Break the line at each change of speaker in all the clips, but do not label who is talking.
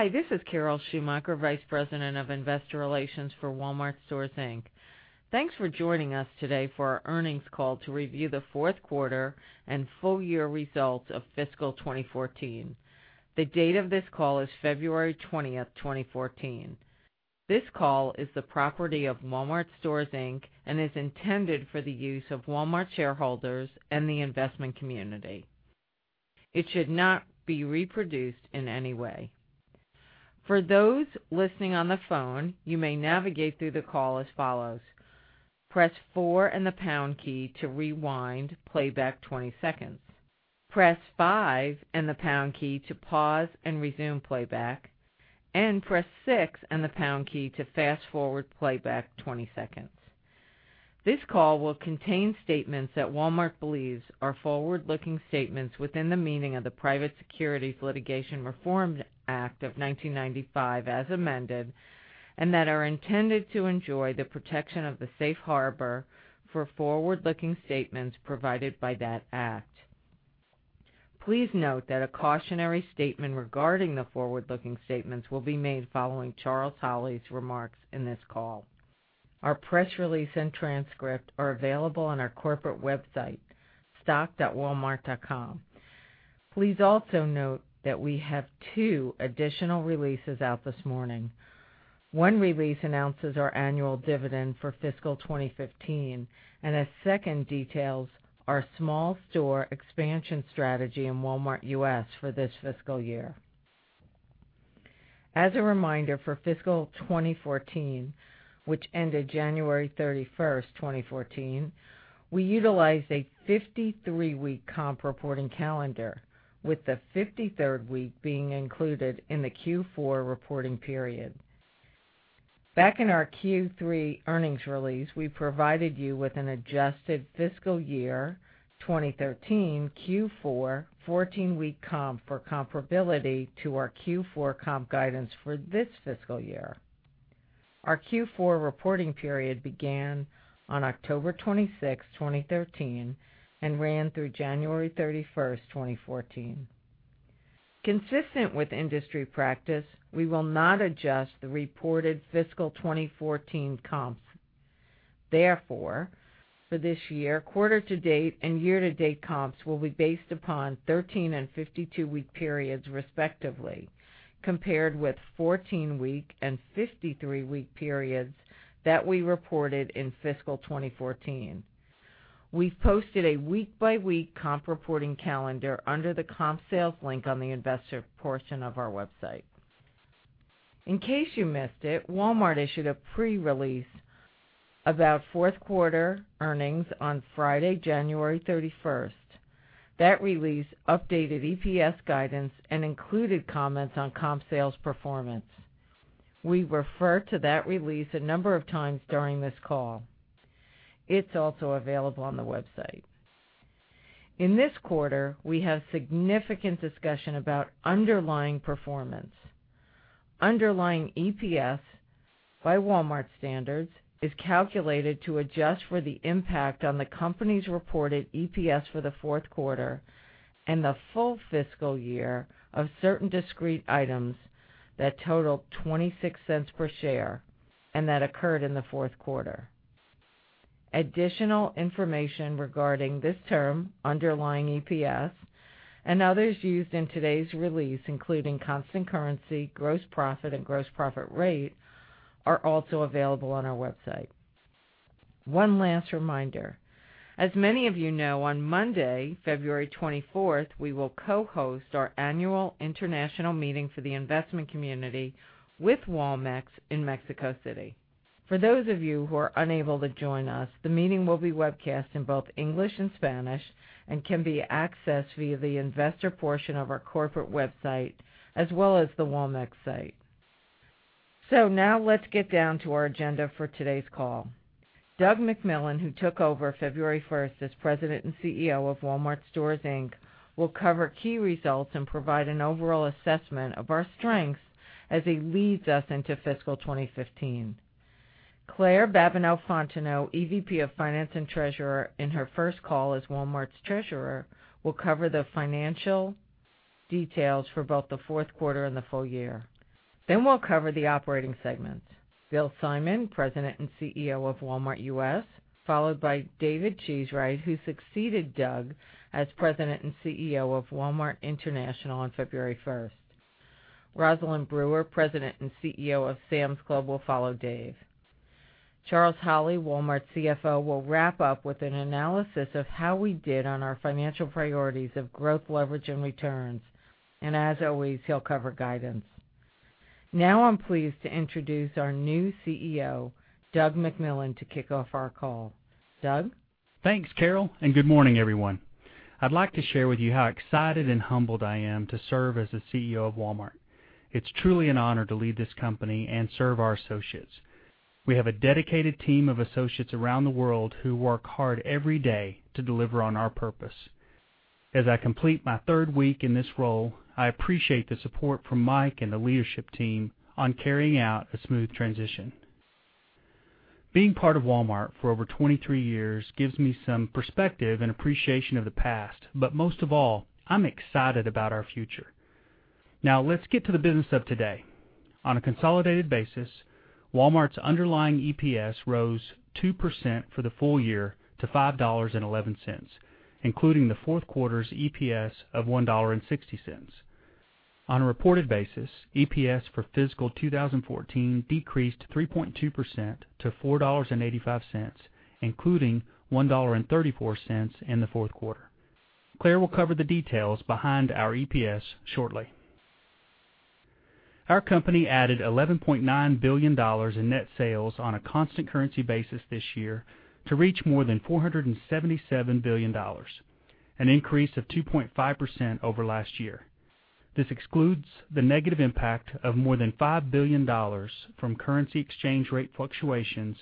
Hi, this is Carol Schumacher, Vice President of Investor Relations for Walmart Stores, Inc. Thanks for joining us today for our earnings call to review the fourth quarter and full-year results of fiscal 2014. The date of this call is February 20, 2014. This call is the property of Walmart Stores, Inc. and is intended for the use of Walmart shareholders and the investment community. It should not be reproduced in any way. For those listening on the phone, you may navigate through the call as follows: press four and the pound key to rewind, playback 20 seconds. Press five and the pound key to pause and resume playback. Press six and the pound key to fast-forward playback 20 seconds. This call will contain statements that Walmart believes are forward-looking statements within the meaning of the Private Securities Litigation Reform Act of 1995 as amended and that are intended to enjoy the protection of the safe harbor for forward-looking statements provided by that act. Please note that a cautionary statement regarding the forward-looking statements will be made following Charles Holley's remarks in this call. Our press release and transcript are available on our corporate website, stock.walmart.com. Please also note that we have two additional releases out this morning. One release announces our annual dividend for fiscal 2015, and a second details our small store expansion strategy in Walmart U.S. for this fiscal year. As a reminder, for fiscal 2014, which ended January 31st, 2014, we utilized a 53-week comp reporting calendar, with the 53rd week being included in the Q4 reporting period. Back in our Q3 earnings release, we provided you with an adjusted fiscal year 2013 Q4 14-week comp for comparability to our Q4 comp guidance for this fiscal year. Our Q4 reporting period began on October 26th, 2013, and ran through January 31st, 2014. Consistent with industry practice, we will not adjust the reported fiscal 2014 comps. Therefore, for this year, quarter to date and year to date comps will be based upon 13 and 52-week periods respectively, compared with 14-week and 53-week periods that we reported in fiscal 2014. We've posted a week-by-week comp reporting calendar under the comp sales link on the investor portion of our website. In case you missed it, Walmart issued a pre-release about fourth quarter earnings on Friday, January 31st. That release updated EPS guidance and included comments on comp sales performance. We refer to that release a number of times during this call. It's also available on the website. In this quarter, we have significant discussion about underlying performance. Underlying EPS by Walmart standards is calculated to adjust for the impact on the company's reported EPS for the fourth quarter and the full fiscal year of certain discrete items that total $0.26 per share and that occurred in the fourth quarter. Additional information regarding this term, underlying EPS, and others used in today's release, including constant currency, gross profit, and gross profit rate, are also available on our website. One last reminder, as many of you know, on Monday, February 24th, we will co-host our annual international meeting for the investment community with Walmex in Mexico City. For those of you who are unable to join us, the meeting will be webcast in both English and Spanish and can be accessed via the investor portion of our corporate website, as well as the Walmex site. Now let's get down to our agenda for today's call. Doug McMillon, who took over February 1st as President and CEO of Walmart Stores, Inc., will cover key results and provide an overall assessment of our strengths as he leads us into fiscal 2015. Claire Babineaux-Fontenot, EVP of Finance and Treasurer in her first call as Walmart's Treasurer, will cover the financial details for both the fourth quarter and the full year. We'll cover the operating segments. Bill Simon, President and CEO of Walmart U.S., followed by David Cheesewright, who succeeded Doug as President and CEO of Walmart International on February 1st. Rosalind Brewer, President and CEO of Sam's Club, will follow Dave. Charles Holley, Walmart's CFO, will wrap up with an analysis of how we did on our financial priorities of growth, leverage, and returns. As always, he'll cover guidance. I'm pleased to introduce our new CEO, Doug McMillon, to kick off our call. Doug?
Thanks, Carol. Good morning, everyone. I'd like to share with you how excited and humbled I am to serve as the CEO of Walmart. It's truly an honor to lead this company and serve our associates. We have a dedicated team of associates around the world who work hard every day to deliver on our purpose. As I complete my third week in this role, I appreciate the support from Mike and the leadership team on carrying out a smooth transition. Being part of Walmart for over 23 years gives me some perspective and appreciation of the past, but most of all, I'm excited about our future. Let's get to the business of today. On a consolidated basis, Walmart's underlying EPS rose 2% for the full year to $5.11, including the fourth quarter's EPS of $1.60. On a reported basis, EPS for fiscal 2014 decreased 3.2% to $4.85, including $1.34 in the fourth quarter. Claire will cover the details behind our EPS shortly. Our company added $11.9 billion in net sales on a constant currency basis this year to reach more than $477 billion, an increase of 2.5% over last year. This excludes the negative impact of more than $5 billion from currency exchange rate fluctuations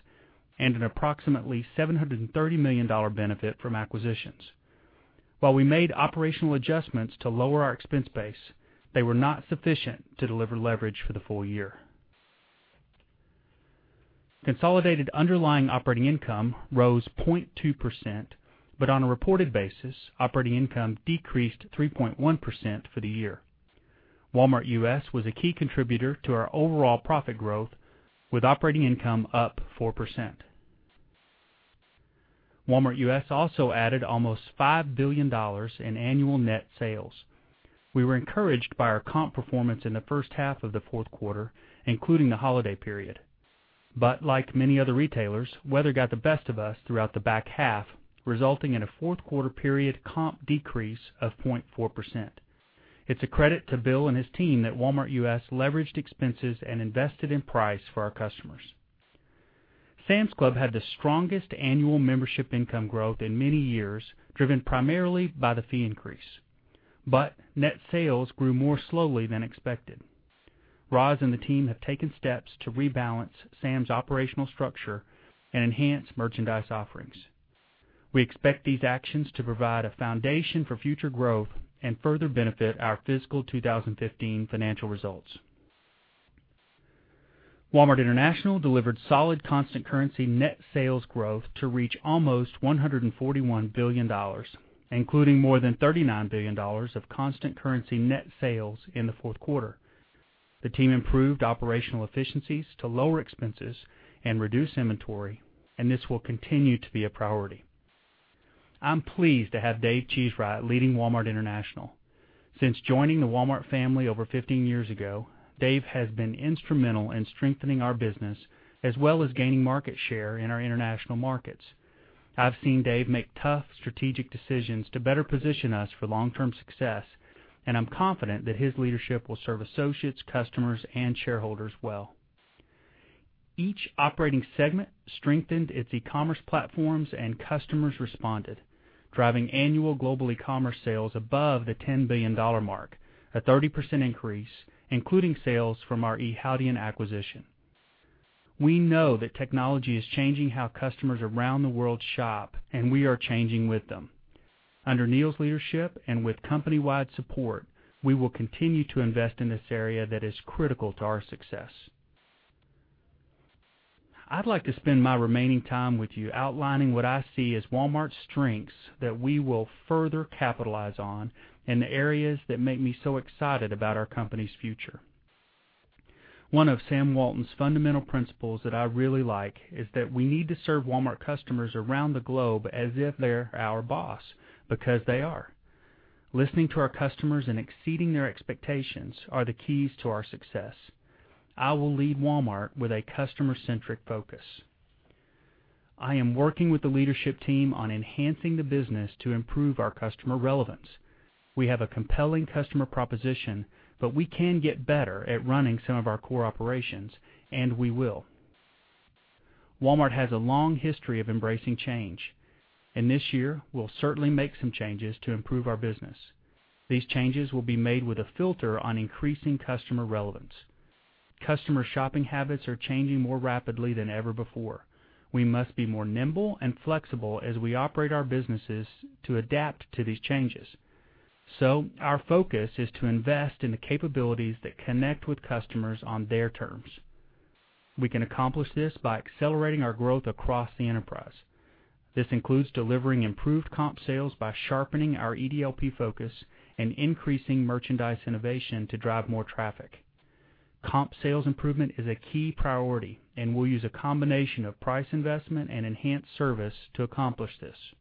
and an approximately $730 million benefit from acquisitions. While we made operational adjustments to lower our expense base, they were not sufficient to deliver leverage for the full year. Consolidated underlying operating income rose 0.2%, but on a reported basis, operating income decreased 3.1% for the year. Walmart U.S. was a key contributor to our overall profit growth, with operating income up 4%. Walmart U.S. also added almost $5 billion in annual net sales. We were encouraged by our comp performance in the first half of the fourth quarter, including the holiday period. Like many other retailers, weather got the best of us throughout the back half, resulting in a fourth-quarter period comp decrease of 0.4%. It's a credit to Bill and his team that Walmart U.S. leveraged expenses and invested in price for our customers. Sam's Club had the strongest annual membership income growth in many years, driven primarily by the fee increase, but net sales grew more slowly than expected. Roz and the team have taken steps to rebalance Sam's operational structure and enhance merchandise offerings. We expect these actions to provide a foundation for future growth and further benefit our fiscal 2015 financial results. Walmart International delivered solid constant currency net sales growth to reach almost $141 billion, including more than $39 billion of constant currency net sales in the fourth quarter. The team improved operational efficiencies to lower expenses and reduce inventory, and this will continue to be a priority. I'm pleased to have David Cheesewright leading Walmart International. Since joining the Walmart family over 15 years ago, Dave has been instrumental in strengthening our business as well as gaining market share in our international markets. I've seen Dave make tough strategic decisions to better position us for long-term success, and I'm confident that his leadership will serve associates, customers, and shareholders well. Each operating segment strengthened its e-commerce platforms and customers responded, driving annual global e-commerce sales above the $10 billion mark, a 30% increase, including sales from our Yihaodian acquisition. We know that technology is changing how customers around the world shop. We are changing with them. Under Neil's leadership and with company-wide support, we will continue to invest in this area that is critical to our success. I'd like to spend my remaining time with you outlining what I see as Walmart's strengths that we will further capitalize on and the areas that make me so excited about our company's future. One of Sam Walton's fundamental principles that I really like is that we need to serve Walmart customers around the globe as if they're our boss, because they are. Listening to our customers and exceeding their expectations are the keys to our success. I will lead Walmart with a customer-centric focus. I am working with the leadership team on enhancing the business to improve our customer relevance. We have a compelling customer proposition. We can get better at running some of our core operations. We will. Walmart has a long history of embracing change. This year, we'll certainly make some changes to improve our business. These changes will be made with a filter on increasing customer relevance. Customer shopping habits are changing more rapidly than ever before. We must be more nimble and flexible as we operate our businesses to adapt to these changes. Our focus is to invest in the capabilities that connect with customers on their terms. We can accomplish this by accelerating our growth across the enterprise. This includes delivering improved comp sales by sharpening our EDLP focus and increasing merchandise innovation to drive more traffic. Comp sales improvement is a key priority. We'll use a combination of price investment and enhanced service to accomplish this.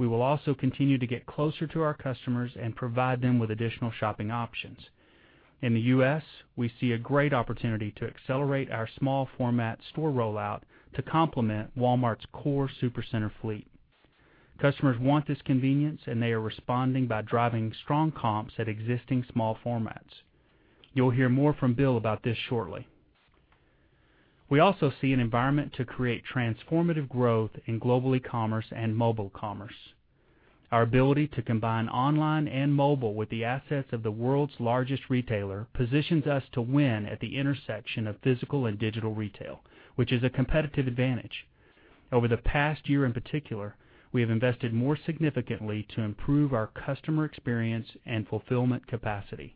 We will also continue to get closer to our customers and provide them with additional shopping options. In the U.S., we see a great opportunity to accelerate our small format store rollout to complement Walmart's core Supercenter fleet. Customers want this convenience, and they are responding by driving strong comps at existing small formats. You'll hear more from Bill about this shortly. We also see an environment to create transformative growth in global e-commerce and mobile commerce. Our ability to combine online and mobile with the assets of the world's largest retailer positions us to win at the intersection of physical and digital retail, which is a competitive advantage. Over the past year in particular, we have invested more significantly to improve our customer experience and fulfillment capacity.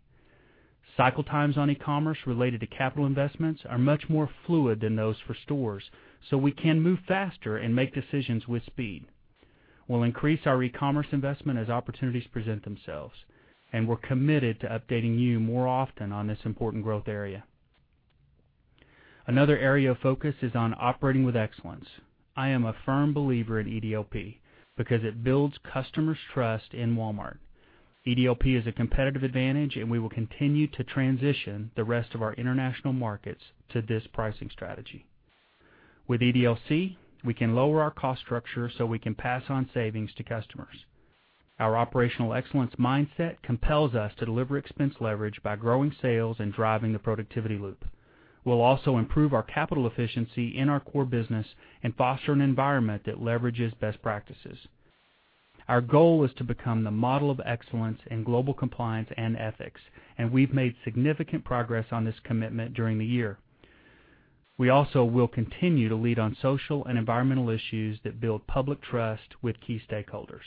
Cycle times on e-commerce related to capital investments are much more fluid than those for stores, so we can move faster and make decisions with speed. We'll increase our e-commerce investment as opportunities present themselves, and we're committed to updating you more often on this important growth area. Another area of focus is on operating with excellence. I am a firm believer in EDLP because it builds customers' trust in Walmart. EDLP is a competitive advantage, and we will continue to transition the rest of our international markets to this pricing strategy. With EDLC, we can lower our cost structure so we can pass on savings to customers. Our operational excellence mindset compels us to deliver expense leverage by growing sales and driving the productivity loop. We'll also improve our capital efficiency in our core business and foster an environment that leverages best practices. Our goal is to become the model of excellence in global compliance and ethics. We've made significant progress on this commitment during the year. We also will continue to lead on social and environmental issues that build public trust with key stakeholders.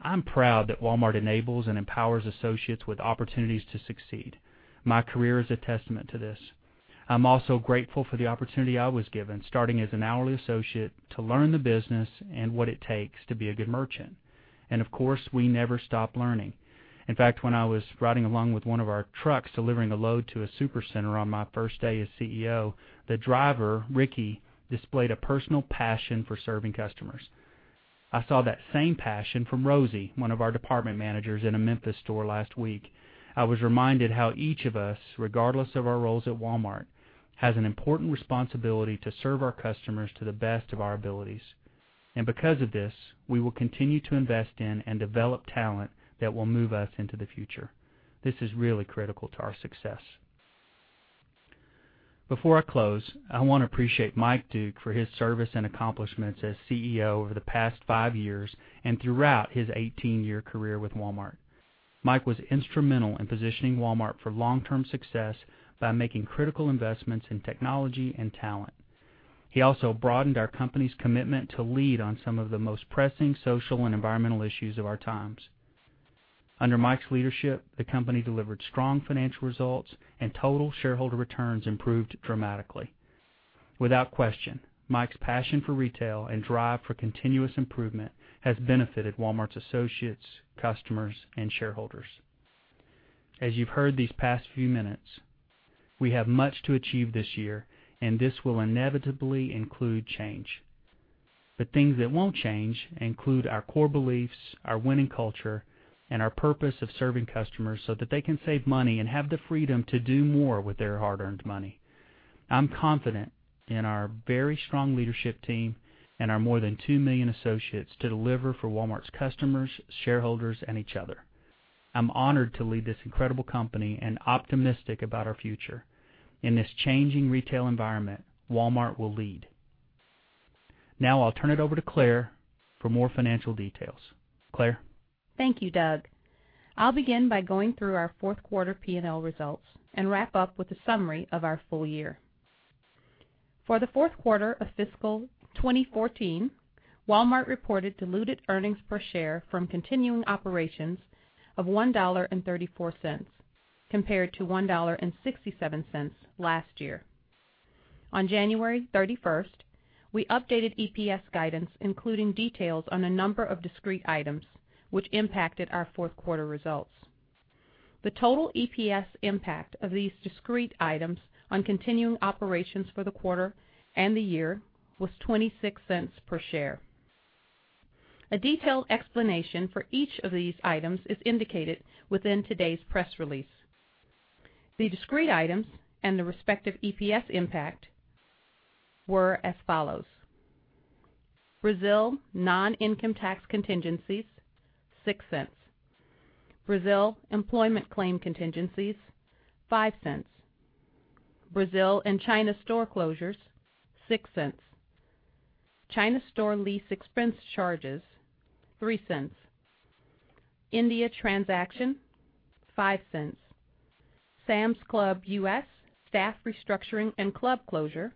I'm proud that Walmart enables and empowers associates with opportunities to succeed. My career is a testament to this. I'm also grateful for the opportunity I was given, starting as an hourly associate, to learn the business and what it takes to be a good merchant. Of course, we never stop learning. In fact, when I was riding along with one of our trucks delivering a load to a Supercenter on my first day as CEO, the driver, Ricky, displayed a personal passion for serving customers. I saw that same passion from Rosie, one of our department managers in a Memphis store last week. I was reminded how each of us, regardless of our roles at Walmart, has an important responsibility to serve our customers to the best of our abilities. Because of this, we will continue to invest in and develop talent that will move us into the future. This is really critical to our success. Before I close, I want to appreciate Mike Duke for his service and accomplishments as CEO over the past five years and throughout his 18-year career with Walmart. Mike was instrumental in positioning Walmart for long-term success by making critical investments in technology and talent. He also broadened our company's commitment to lead on some of the most pressing social and environmental issues of our times. Under Mike's leadership, the company delivered strong financial results, and total shareholder returns improved dramatically. Without question, Mike's passion for retail and drive for continuous improvement has benefited Walmart's associates, customers, and shareholders. As you've heard these past few minutes, we have much to achieve this year, and this will inevitably include change. The things that won't change include our core beliefs, our winning culture, and our purpose of serving customers so that they can save money and have the freedom to do more with their hard-earned money. I'm confident in our very strong leadership team and our more than 2 million associates to deliver for Walmart's customers, shareholders, and each other. I'm honored to lead this incredible company and optimistic about our future. In this changing retail environment, Walmart will lead. I'll turn it over to Claire for more financial details. Claire?
Thank you, Doug. I'll begin by going through our fourth quarter P&L results and wrap up with a summary of our full year. For the fourth quarter of fiscal 2014, Walmart reported diluted earnings per share from continuing operations of $1.34 compared to $1.67 last year. On January 31st, we updated EPS guidance, including details on a number of discrete items which impacted our fourth quarter results. The total EPS impact of these discrete items on continuing operations for the quarter and the year was $0.26 per share. A detailed explanation for each of these items is indicated within today's press release. The discrete items and the respective EPS impact were as follows. Brazil non-income tax contingencies, $0.06. Brazil employment claim contingencies, $0.05. Brazil and China store closures, $0.06. China store lease expense charges, $0.03. India transaction, $0.05. Sam's Club U.S. staff restructuring and club closure,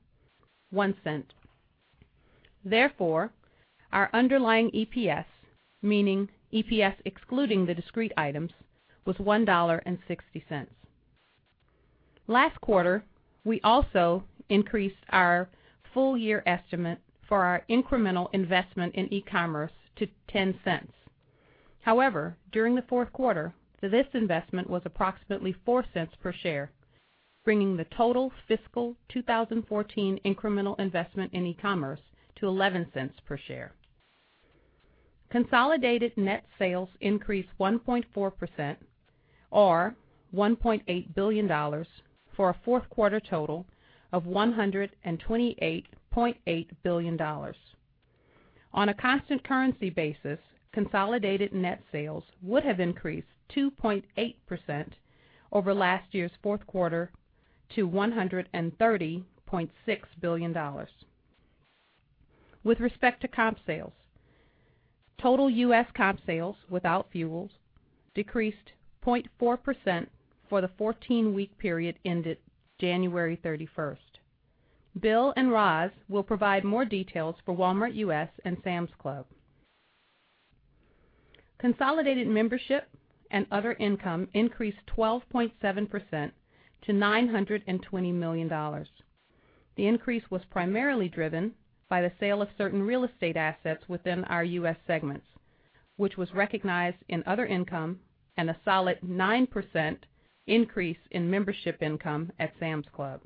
$0.01. Therefore, our underlying EPS, meaning EPS excluding the discrete items, was $1.60. Last quarter, we also increased our full year estimate for our incremental investment in e-commerce to $0.10. However, during the fourth quarter, this investment was approximately $0.04 per share, bringing the total fiscal 2014 incremental investment in e-commerce to $0.11 per share. Consolidated net sales increased 1.4%, or $1.8 billion, for a fourth quarter total of $128.8 billion. On a constant currency basis, consolidated net sales would have increased 2.8% over last year's fourth quarter to $130.6 billion. With respect to comp sales, total U.S. comp sales, without fuels, decreased 0.4% for the 14-week period ended January 31st. Bill and Roz will provide more details for Walmart U.S. and Sam's Club. Consolidated membership and other income increased 12.7% to $920 million. The increase was primarily driven by the sale of certain real estate assets within our U.S. segments, which was recognized in other income and a solid 9% increase in membership income at Sam's Club.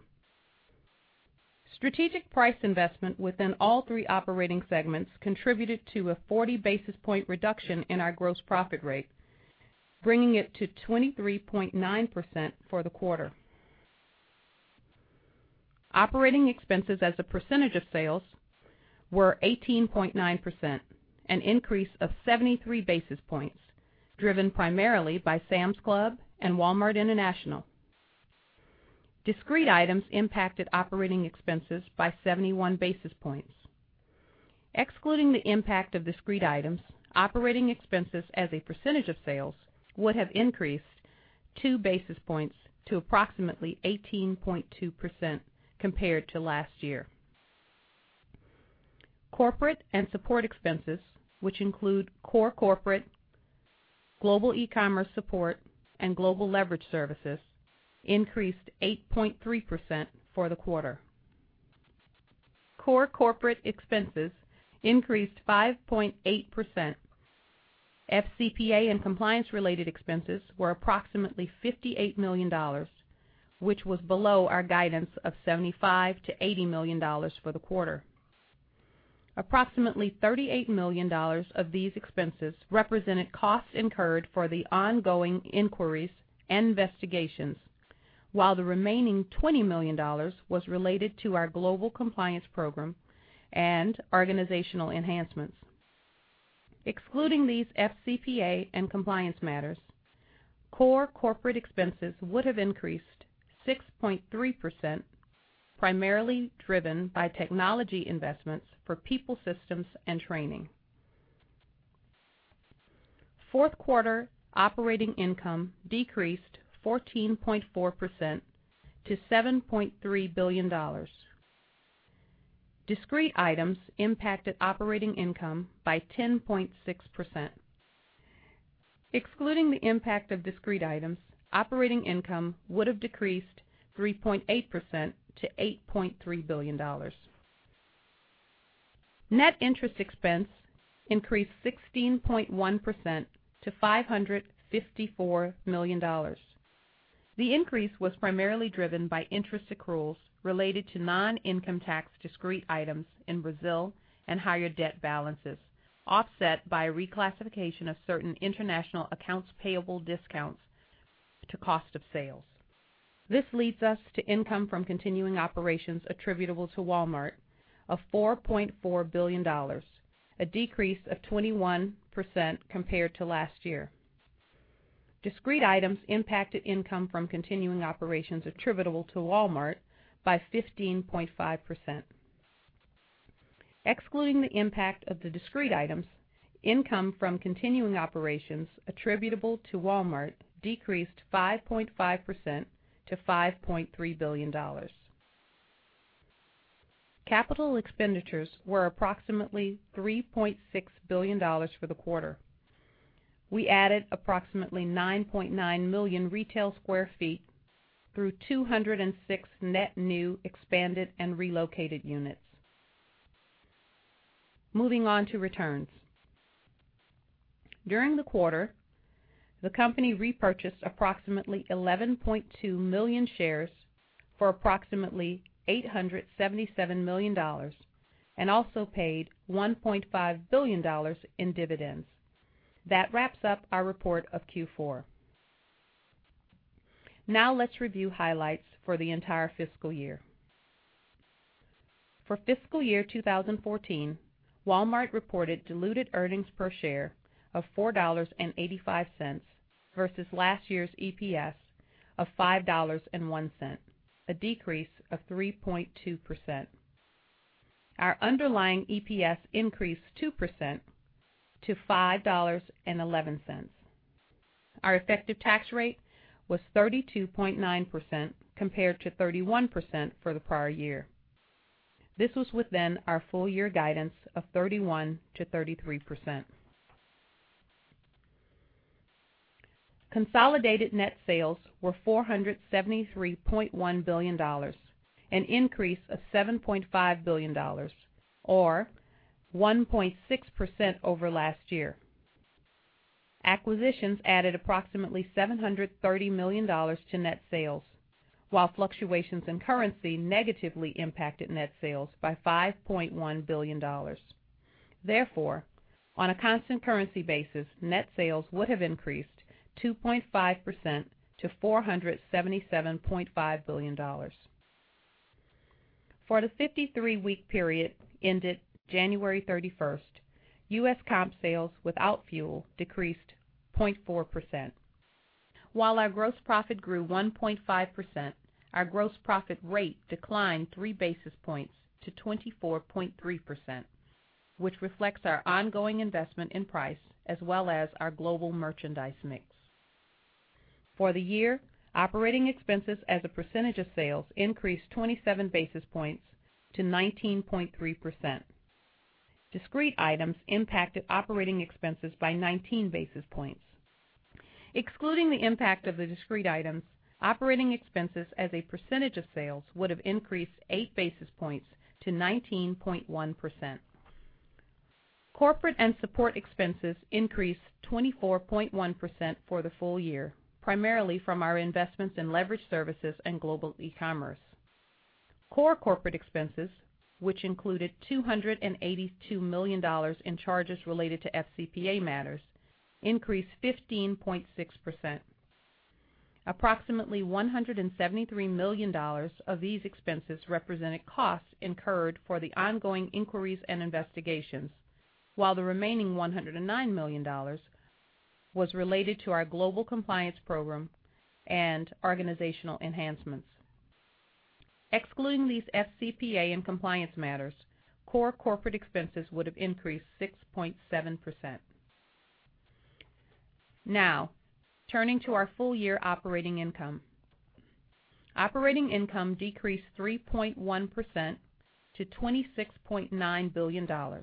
Strategic price investment within all three operating segments contributed to a 40 basis point reduction in our gross profit rate, bringing it to 23.9% for the quarter. Operating expenses as a percentage of sales were 18.9%, an increase of 73 basis points, driven primarily by Sam's Club and Walmart International. Discrete items impacted operating expenses by 71 basis points. Excluding the impact of discrete items, operating expenses as a percentage of sales would have increased two basis points to approximately 18.2% compared to last year. Corporate and support expenses, which include core corporate, global e-commerce support, and global leverage services, increased 8.3% for the quarter. Core corporate expenses increased 5.8%. FCPA and compliance-related expenses were approximately $58 million, which was below our guidance of $75 million-$80 million for the quarter. Approximately $38 million of these expenses represented costs incurred for the ongoing inquiries and investigations, while the remaining $20 million was related to our global compliance program and organizational enhancements. Excluding these FCPA and compliance matters, core corporate expenses would have increased 6.3%, primarily driven by technology investments for people systems and training. Fourth-quarter operating income decreased 14.4% to $7.3 billion. Discrete items impacted operating income by 10.6%. Excluding the impact of discrete items, operating income would have decreased 3.8% to $8.3 billion. Net interest expense increased 16.1% to $554 million. The increase was primarily driven by interest accruals related to non-income tax discrete items in Brazil and higher debt balances, offset by a reclassification of certain international accounts payable discounts to cost of sales. This leads us to income from continuing operations attributable to Walmart of $4.4 billion, a decrease of 21% compared to last year. Discrete items impacted income from continuing operations attributable to Walmart by 15.5%. Excluding the impact of the discrete items, income from continuing operations attributable to Walmart decreased 5.5% to $5.3 billion. Capital expenditures were approximately $3.6 billion for the quarter. We added approximately 9.9 million retail sq ft through 206 net new, expanded, and relocated units. Moving on to returns. During the quarter, the company repurchased approximately 11.2 million shares for approximately $877 million and also paid $1.5 billion in dividends. That wraps up our report of Q4. Now let's review highlights for the entire fiscal year. For fiscal year 2014, Walmart reported diluted earnings per share of $4.85 versus last year's EPS of $5.01, a decrease of 3.2%. Our underlying EPS increased 2% to $5.11. Our effective tax rate was 32.9% compared to 31% for the prior year. This was within our full-year guidance of 31%-33%. Consolidated net sales were $473.1 billion, an increase of $7.5 billion, or 1.6% over last year. Acquisitions added approximately $730 million to net sales, while fluctuations in currency negatively impacted net sales by $5.1 billion. Therefore, on a constant currency basis, net sales would have increased 2.5% to $477.5 billion. For the 53-week period ended January 31st, U.S. comp sales without fuel decreased 0.4%. While our gross profit grew 1.5%, our gross profit rate declined three basis points to 24.3%, which reflects our ongoing investment in price as well as our global merchandise mix. For the year, operating expenses as a percentage of sales increased 27 basis points to 19.3%. Discrete items impacted operating expenses by 19 basis points. Excluding the impact of the discrete items, operating expenses as a percentage of sales would have increased eight basis points to 19.1%. Corporate and support expenses increased 24.1% for the full year, primarily from our investments in leverage services and Global eCommerce. Core corporate expenses, which included $282 million in charges related to FCPA matters, increased 15.6%. Approximately $173 million of these expenses represented costs incurred for the ongoing inquiries and investigations, while the remaining $109 million was related to our global compliance program and organizational enhancements. Excluding these FCPA and compliance matters, core corporate expenses would have increased 6.7%. Now, turning to our full-year operating income. Operating income decreased 3.1% to $26.9 billion.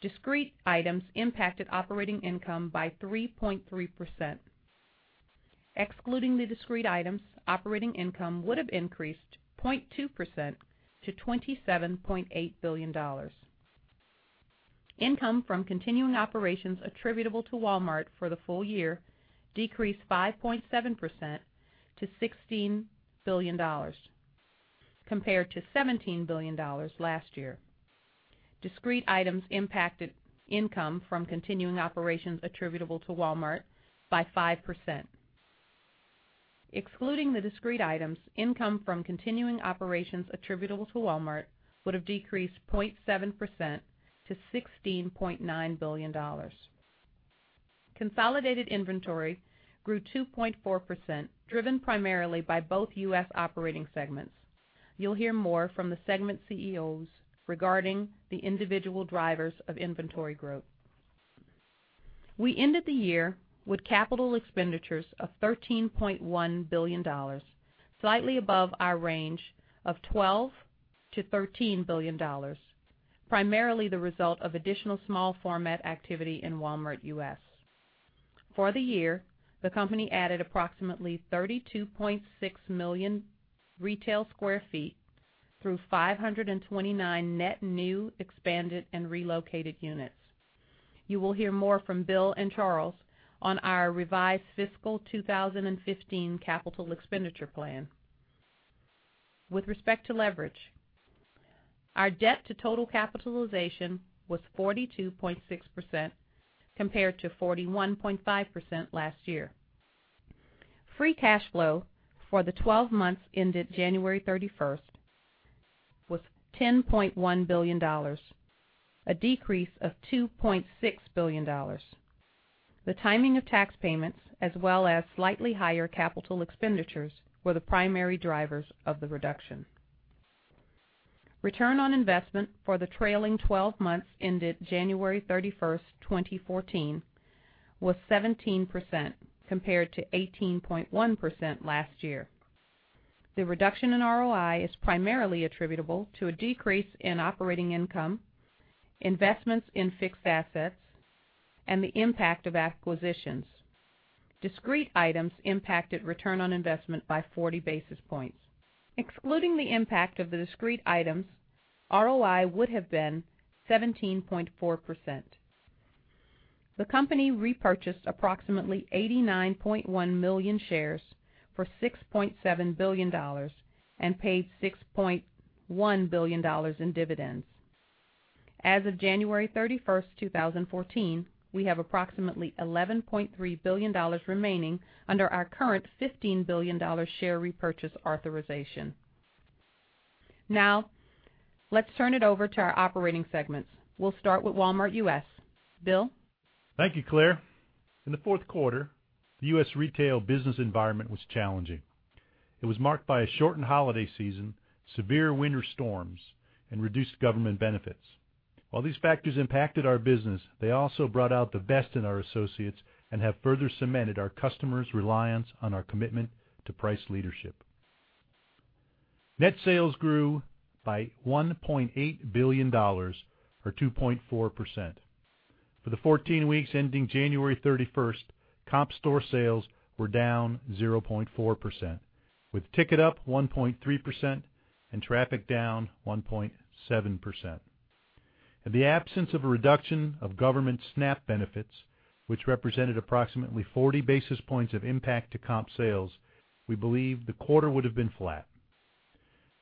Discrete items impacted operating income by 3.3%. Excluding the discrete items, operating income would have increased 0.2% to $27.8 billion. Income from continuing operations attributable to Walmart for the full year decreased 5.7% to $16 billion, compared to $17 billion last year. Discrete items impacted income from continuing operations attributable to Walmart by 5%. Excluding the discrete items, income from continuing operations attributable to Walmart would have decreased 0.7% to $16.9 billion. Consolidated inventory grew 2.4%, driven primarily by both U.S. operating segments. You'll hear more from the segment CEOs regarding the individual drivers of inventory growth. We ended the year with capital expenditures of $13.1 billion, slightly above our range of $12 billion-$13 billion, primarily the result of additional small format activity in Walmart U.S. For the year, the company added approximately 32.6 million retail sq ft through 529 net new, expanded, and relocated units. You will hear more from Bill and Charles on our revised fiscal 2015 capital expenditure plan. With respect to leverage, our debt to total capitalization was 42.6%, compared to 41.5% last year. Free cash flow for the 12 months ended January 31st was $10.1 billion, a decrease of $2.6 billion. The timing of tax payments, as well as slightly higher capital expenditures, were the primary drivers of the reduction. Return on investment for the trailing 12 months ended January 31st, 2014, was 17%, compared to 18.1% last year. The reduction in ROI is primarily attributable to a decrease in operating income, investments in fixed assets, and the impact of acquisitions. Discrete items impacted return on investment by 40 basis points. Excluding the impact of the discrete items, ROI would have been 17.4%. The company repurchased approximately 89.1 million shares for $6.7 billion and paid $6.1 billion in dividends. As of January 31st, 2014, we have approximately $11.3 billion remaining under our current $15 billion share repurchase authorization. Now, let's turn it over to our operating segments. We'll start with Walmart U.S. Bill?
Thank you, Claire. In the fourth quarter, the U.S. retail business environment was challenging. It was marked by a shortened holiday season, severe winter storms, and reduced government benefits. While these factors impacted our business, they also brought out the best in our associates and have further cemented our customers' reliance on our commitment to price leadership. Net sales grew by $1.8 billion, or 2.4%. For the 14 weeks ending January 31st, comp store sales were down 0.4%, with ticket up 1.3% and traffic down 1.7%. In the absence of a reduction of government SNAP benefits, which represented approximately 40 basis points of impact to comp sales, we believe the quarter would have been flat.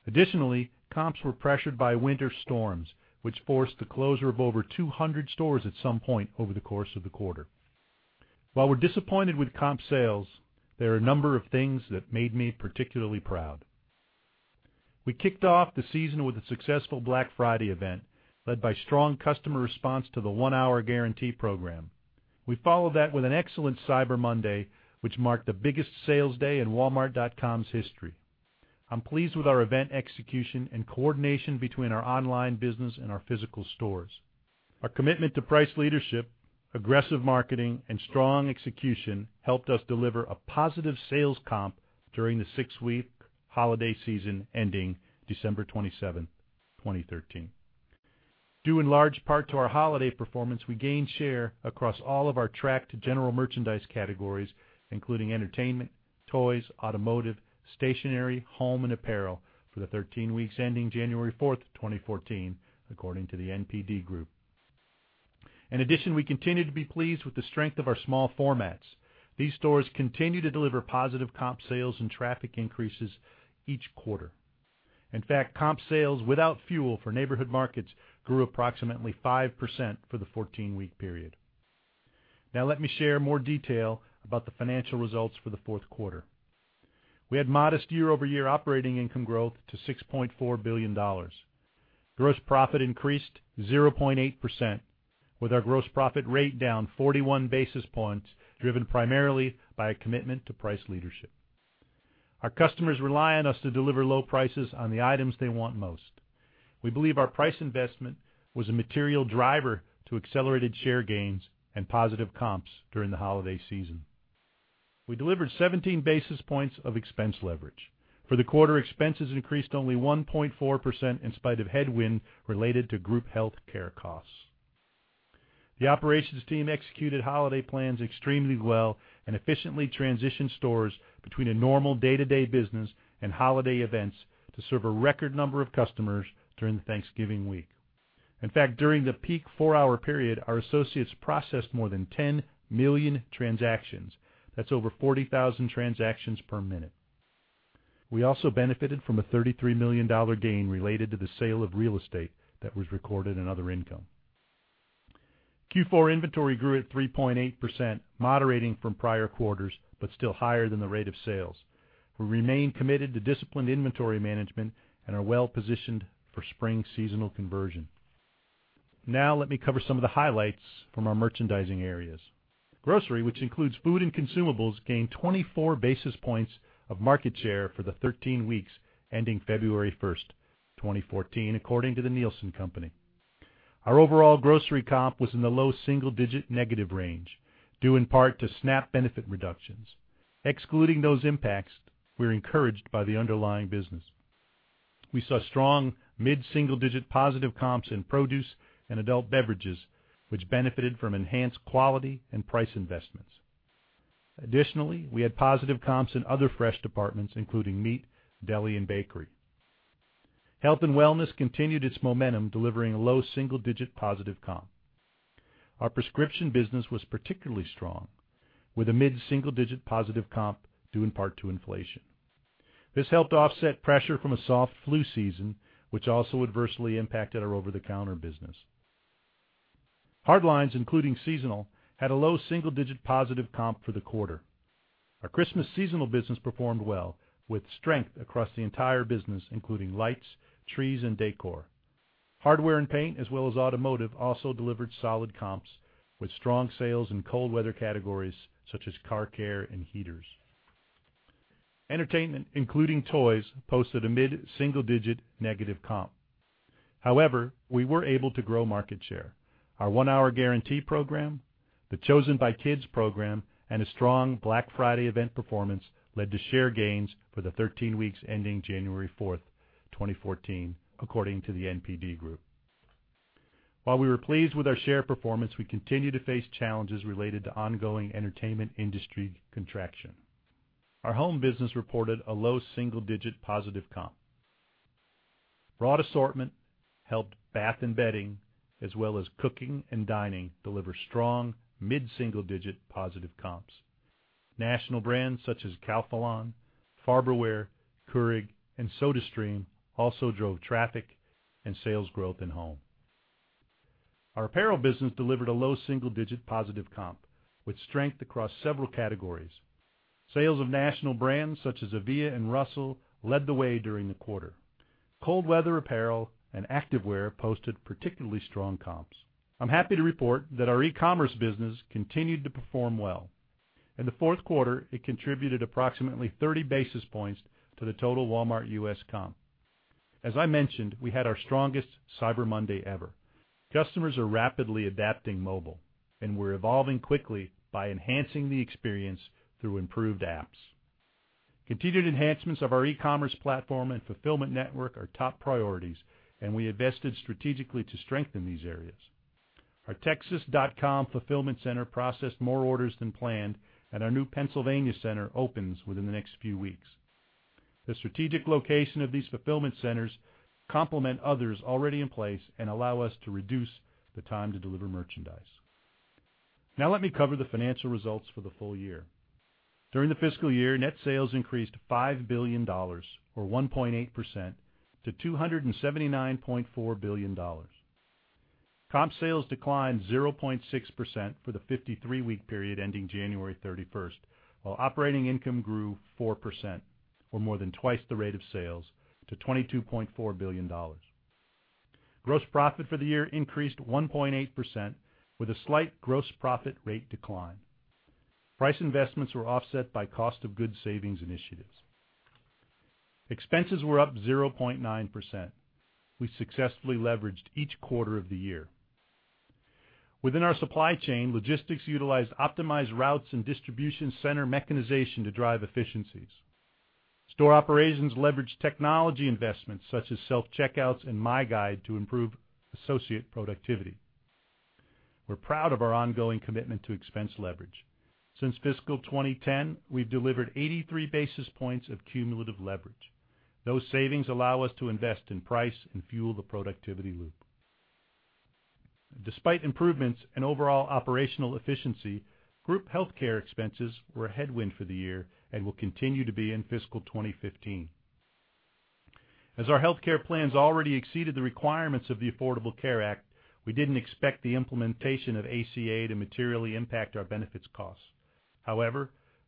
Additionally, comps were pressured by winter storms, which forced the closure of over 200 stores at some point over the course of the quarter. While we're disappointed with comp sales, there are a number of things that made me particularly proud. We kicked off the season with a successful Black Friday event, led by strong customer response to the One-Hour Guarantee Program. We followed that with an excellent Cyber Monday, which marked the biggest sales day in walmart.com's history. I'm pleased with our event execution and coordination between our online business and our physical stores. Our commitment to price leadership, aggressive marketing, and strong execution helped us deliver a positive sales comp during the six-week holiday season ending December 27, 2013. Due in large part to our holiday performance, we gained share across all of our tracked general merchandise categories, including entertainment, toys, automotive, stationery, home, and apparel for the 13 weeks ending January 4, 2014, according to The NPD Group. We continue to be pleased with the strength of our small formats. These stores continue to deliver positive comp sales and traffic increases each quarter. In fact, comp sales without fuel for Neighborhood Markets grew approximately 5% for the 14-week period. Let me share more detail about the financial results for the fourth quarter. We had modest year-over-year operating income growth to $6.4 billion. Gross profit increased 0.8%, with our gross profit rate down 41 basis points, driven primarily by a commitment to price leadership. Our customers rely on us to deliver low prices on the items they want most. We believe our price investment was a material driver to accelerated share gains and positive comps during the holiday season. We delivered 17 basis points of expense leverage. For the quarter, expenses increased only 1.4% in spite of headwind related to group healthcare costs. The operations team executed holiday plans extremely well and efficiently transitioned stores between a normal day-to-day business and holiday events to serve a record number of customers during the Thanksgiving week. During the peak four-hour period, our associates processed more than 10 million transactions. That's over 40,000 transactions per minute. We also benefited from a $33 million gain related to the sale of real estate that was recorded in other income. Q4 inventory grew at 3.8%, moderating from prior quarters, but still higher than the rate of sales. We remain committed to disciplined inventory management and are well-positioned for spring seasonal conversion. Let me cover some of the highlights from our merchandising areas. Grocery, which includes food and consumables, gained 24 basis points of market share for the 13 weeks ending February 1st, 2014, according to The Nielsen Company. Our overall grocery comp was in the low single-digit negative range, due in part to SNAP benefit reductions. Excluding those impacts, we're encouraged by the underlying business. We saw strong mid-single-digit positive comps in produce and adult beverages, which benefited from enhanced quality and price investments. We had positive comps in other fresh departments, including meat, deli, and bakery. Health and wellness continued its momentum, delivering a low single-digit positive comp. Our prescription business was particularly strong, with a mid-single-digit positive comp due in part to inflation. This helped offset pressure from a soft flu season, which also adversely impacted our over-the-counter business. Hard lines, including seasonal, had a low single-digit positive comp for the quarter. Our Christmas seasonal business performed well with strength across the entire business, including lights, trees, and decor. Hardware and paint, as well as automotive, also delivered solid comps with strong sales in cold weather categories such as car care and heaters. Entertainment, including toys, posted a mid-single-digit negative comp. However, we were able to grow market share. Our One-Hour Guarantee Program, the Chosen by Kids program, and a strong Black Friday event performance led to share gains for the 13 weeks ending January 4, 2014, according to The NPD Group. While we were pleased with our share performance, we continue to face challenges related to ongoing entertainment industry contraction. Our home business reported a low single-digit positive comp. Broad assortment helped bath and bedding, as well as cooking and dining, deliver strong mid-single-digit positive comps. National brands such as Calphalon, Farberware, Keurig, and SodaStream also drove traffic and sales growth in home. Our apparel business delivered a low single-digit positive comp with strength across several categories. Sales of national brands such as Avia and Russell led the way during the quarter. Cold weather apparel and activewear posted particularly strong comps. I'm happy to report that our e-commerce business continued to perform well. In the fourth quarter, it contributed approximately 30 basis points to the total Walmart U.S. comp. As I mentioned, we had our strongest Cyber Monday ever. Customers are rapidly adapting mobile. We're evolving quickly by enhancing the experience through improved apps. Continued enhancements of our e-commerce platform and fulfillment network are top priorities. We invested strategically to strengthen these areas. Our Texas fulfillment center processed more orders than planned. Our new Pennsylvania center opens within the next few weeks. The strategic location of these fulfillment centers complement others already in place and allow us to reduce the time to deliver merchandise. Let me cover the financial results for the full year. During the fiscal year, net sales increased $5 billion, or 1.8%, to $279.4 billion. Comp sales declined 0.6% for the 53-week period ending January 31st, while operating income grew 4%, or more than twice the rate of sales, to $22.4 billion. Gross profit for the year increased 1.8%, with a slight gross profit rate decline. Price investments were offset by cost of goods savings initiatives. Expenses were up 0.9%. We successfully leveraged each quarter of the year. Within our supply chain, logistics utilized optimized routes and distribution center mechanization to drive efficiencies. Store operations leveraged technology investments such as self-checkouts and MyGuide to improve associate productivity. We're proud of our ongoing commitment to expense leverage. Since fiscal 2010, we've delivered 83 basis points of cumulative leverage. Those savings allow us to invest in price and fuel the productivity loop. Despite improvements in overall operational efficiency, group healthcare expenses were a headwind for the year and will continue to be in fiscal 2015. Our healthcare plans already exceeded the requirements of the Affordable Care Act, we didn't expect the implementation of ACA to materially impact our benefits costs.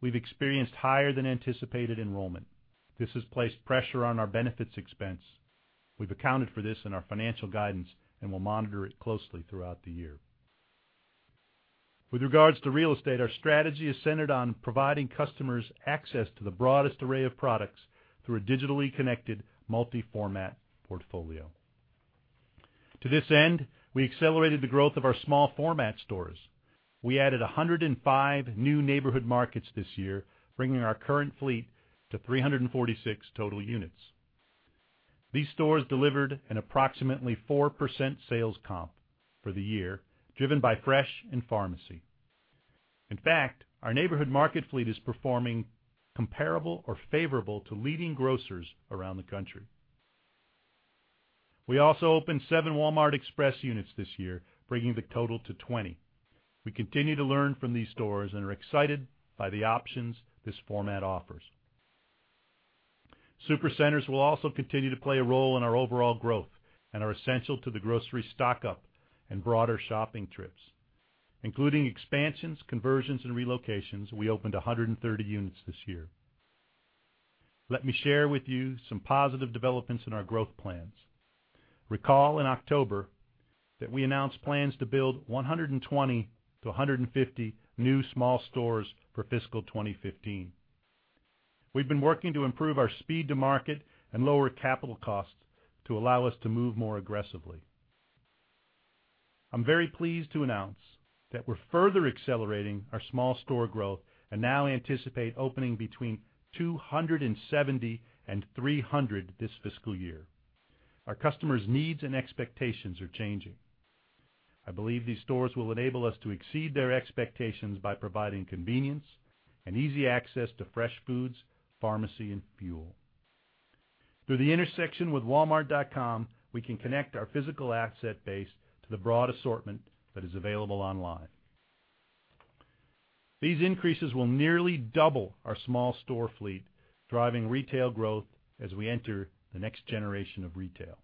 We've experienced higher than anticipated enrollment. This has placed pressure on our benefits expense. We've accounted for this in our financial guidance and will monitor it closely throughout the year. Regards to real estate, our strategy is centered on providing customers access to the broadest array of products through a digitally connected multi-format portfolio. This end, we accelerated the growth of our small format stores. We added 105 new Neighborhood Markets this year, bringing our current fleet to 346 total units. These stores delivered an approximately 4% sales comp for the year, driven by fresh and pharmacy. In fact, our Walmart Neighborhood Market fleet is performing comparable or favorable to leading grocers around the country. We also opened seven Walmart Express units this year, bringing the total to 20. We continue to learn from these stores and are excited by the options this format offers. Walmart Supercenter will also continue to play a role in our overall growth and are essential to the grocery stock-up and broader shopping trips. Including expansions, conversions, and relocations, we opened 130 units this year. Let me share with you some positive developments in our growth plans. Recall in October that we announced plans to build 120 to 150 new small stores for fiscal 2015. We've been working to improve our speed to market and lower capital costs to allow us to move more aggressively. I'm very pleased to announce that we're further accelerating our small store growth and now anticipate opening between 270 and 300 this fiscal year. Our customers' needs and expectations are changing. I believe these stores will enable us to exceed their expectations by providing convenience and easy access to fresh foods, pharmacy, and fuel. Through the intersection with walmart.com, we can connect our physical asset base to the broad assortment that is available online. These increases will nearly double our small store fleet, driving retail growth as we enter the next generation of retail.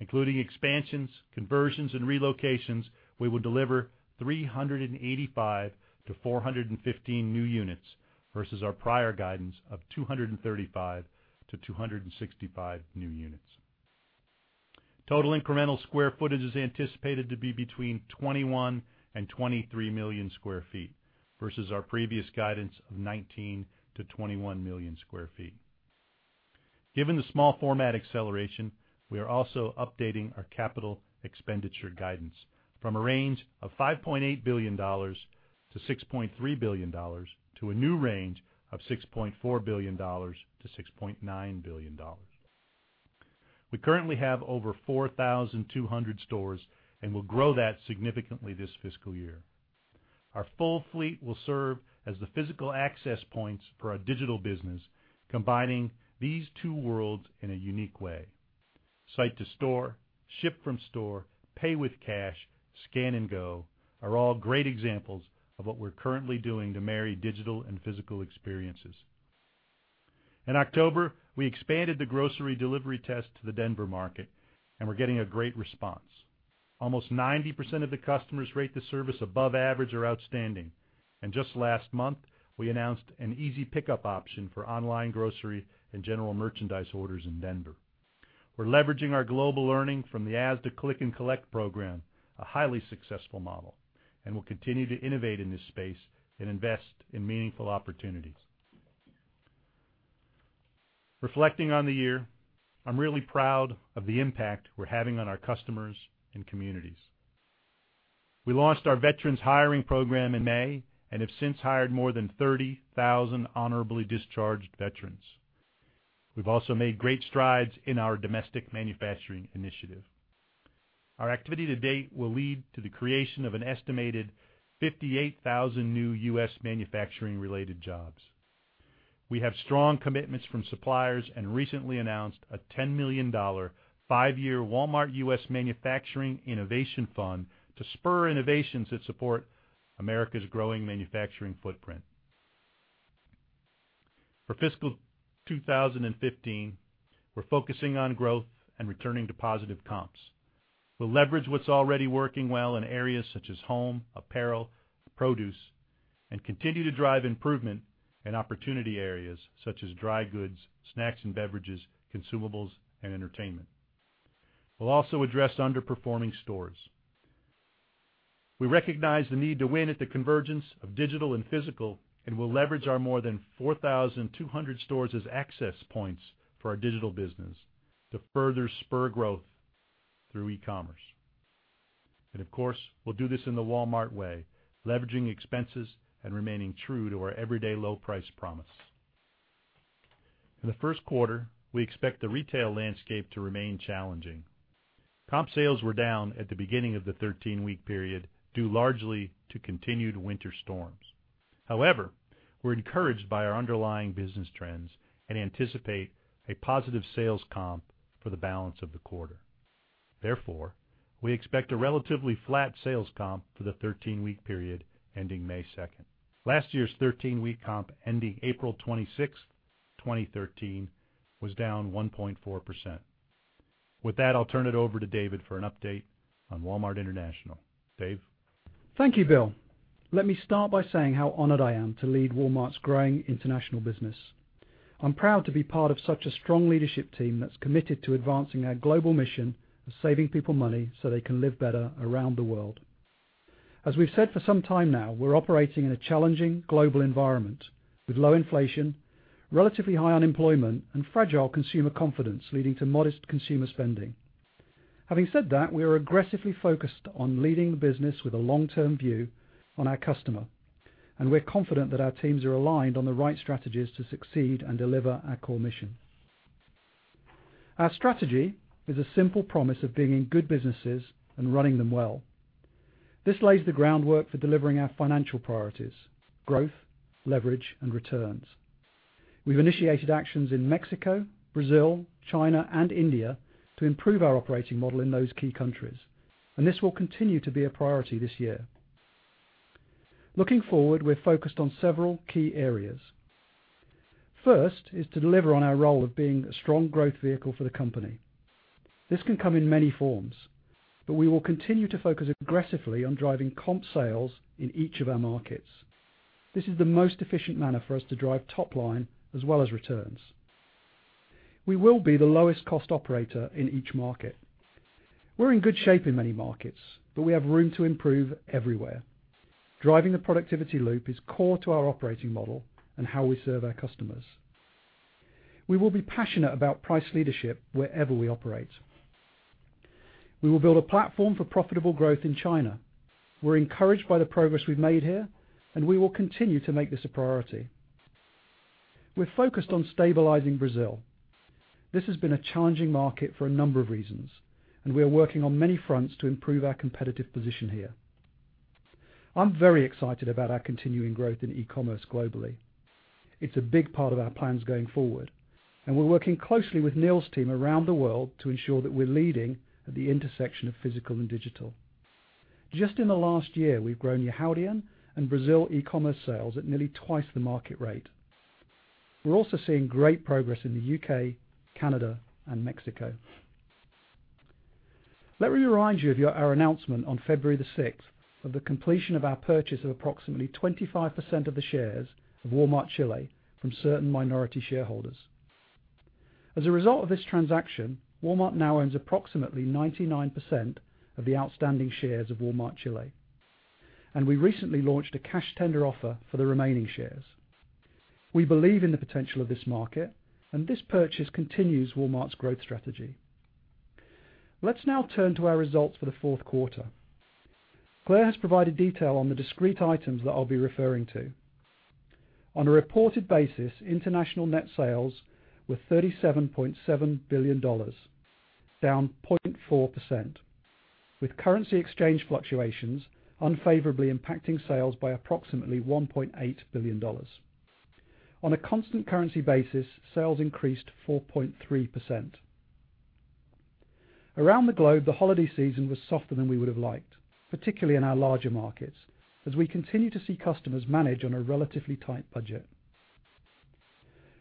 Including expansions, conversions, and relocations, we will deliver 385 to 415 new units versus our prior guidance of 235 to 265 new units. Total incremental square footage is anticipated to be between 21 million-23 million sq ft versus our previous guidance of 19 million-21 million sq ft. Given the small format acceleration, we are also updating our capital expenditure guidance from a range of $5.8 billion-$6.3 billion to a new range of $6.4 billion-$6.9 billion. We currently have over 4,200 stores and will grow that significantly this fiscal year. Our full fleet will serve as the physical access points for our digital business, combining these two worlds in a unique way. Site to store, ship from store, pay with cash, Scan & Go are all great examples of what we're currently doing to marry digital and physical experiences. In October, we expanded the grocery delivery test to the Denver market, and we're getting a great response. Almost 90% of the customers rate the service above average or outstanding. Just last month, we announced an easy pickup option for online grocery and general merchandise orders in Denver. We're leveraging our global learning from the Asda Click and Collect program, a highly successful model, will continue to innovate in this space and invest in meaningful opportunities. Reflecting on the year, I'm really proud of the impact we're having on our customers and communities. We launched our veterans hiring program in May and have since hired more than 30,000 honorably discharged veterans. We've also made great strides in our domestic manufacturing initiative. Our activity to date will lead to the creation of an estimated 58,000 new U.S. manufacturing-related jobs. We have strong commitments from suppliers and recently announced a $10 million five-year Walmart U.S. manufacturing innovation fund to spur innovations that support America's growing manufacturing footprint. For fiscal 2015, we're focusing on growth and returning to positive comps. We'll leverage what's already working well in areas such as home, apparel, produce, and continue to drive improvement in opportunity areas such as dry goods, snacks and beverages, consumables, and entertainment. We'll also address underperforming stores. We recognize the need to win at the convergence of digital and physical, and we'll leverage our more than 4,200 stores as access points for our digital business to further spur growth through e-commerce. Of course, we'll do this in the Walmart way, leveraging expenses and remaining true to our everyday low price promise. In the first quarter, we expect the retail landscape to remain challenging. Comp sales were down at the beginning of the 13-week period, due largely to continued winter storms. However, we're encouraged by our underlying business trends and anticipate a positive sales comp for the balance of the quarter. Therefore, we expect a relatively flat sales comp for the 13-week period ending May 2nd. Last year's 13-week comp ending April 26th, 2013, was down 1.4%. With that, I'll turn it over to David for an update on Walmart International. Dave?
Thank you, Bill. Let me start by saying how honored I am to lead Walmart's growing international business. I'm proud to be part of such a strong leadership team that's committed to advancing our global mission of saving people money so they can live better around the world. As we've said for some time now, we're operating in a challenging global environment with low inflation, relatively high unemployment, and fragile consumer confidence, leading to modest consumer spending. Having said that, we are aggressively focused on leading the business with a long-term view on our customer, and we're confident that our teams are aligned on the right strategies to succeed and deliver our core mission. Our strategy is a simple promise of being in good businesses and running them well. This lays the groundwork for delivering our financial priorities: growth, leverage, and returns. We've initiated actions in Mexico, Brazil, China, and India to improve our operating model in those key countries, and this will continue to be a priority this year. Looking forward, we're focused on several key areas. First is to deliver on our role of being a strong growth vehicle for the company. This can come in many forms, but we will continue to focus aggressively on driving comp sales in each of our markets. This is the most efficient manner for us to drive top line as well as returns. We will be the lowest cost operator in each market. We're in good shape in many markets, but we have room to improve everywhere. Driving the productivity loop is core to our operating model and how we serve our customers. We will be passionate about price leadership wherever we operate. We will build a platform for profitable growth in China. We're encouraged by the progress we've made here, and we will continue to make this a priority. We're focused on stabilizing Brazil. This has been a challenging market for a number of reasons, and we are working on many fronts to improve our competitive position here. I'm very excited about our continuing growth in e-commerce globally. It's a big part of our plans going forward, and we're working closely with Neil's team around the world to ensure that we're leading at the intersection of physical and digital. Just in the last year, we've grown Yihaodian and Brazil e-commerce sales at nearly twice the market rate. We're also seeing great progress in the U.K., Canada, and Mexico. Let me remind you of our announcement on February 6th of the completion of our purchase of approximately 25% of the shares of Walmart Chile from certain minority shareholders. As a result of this transaction, Walmart now owns approximately 99% of the outstanding shares of Walmart Chile, and we recently launched a cash tender offer for the remaining shares. We believe in the potential of this market, and this purchase continues Walmart's growth strategy. Let's now turn to our results for the fourth quarter. Claire has provided detail on the discrete items that I'll be referring to. On a reported basis, international net sales were $37.7 billion, down 0.4%, with currency exchange fluctuations unfavorably impacting sales by approximately $1.8 billion. On a constant currency basis, sales increased 4.3%. Around the globe, the holiday season was softer than we would have liked, particularly in our larger markets, as we continue to see customers manage on a relatively tight budget.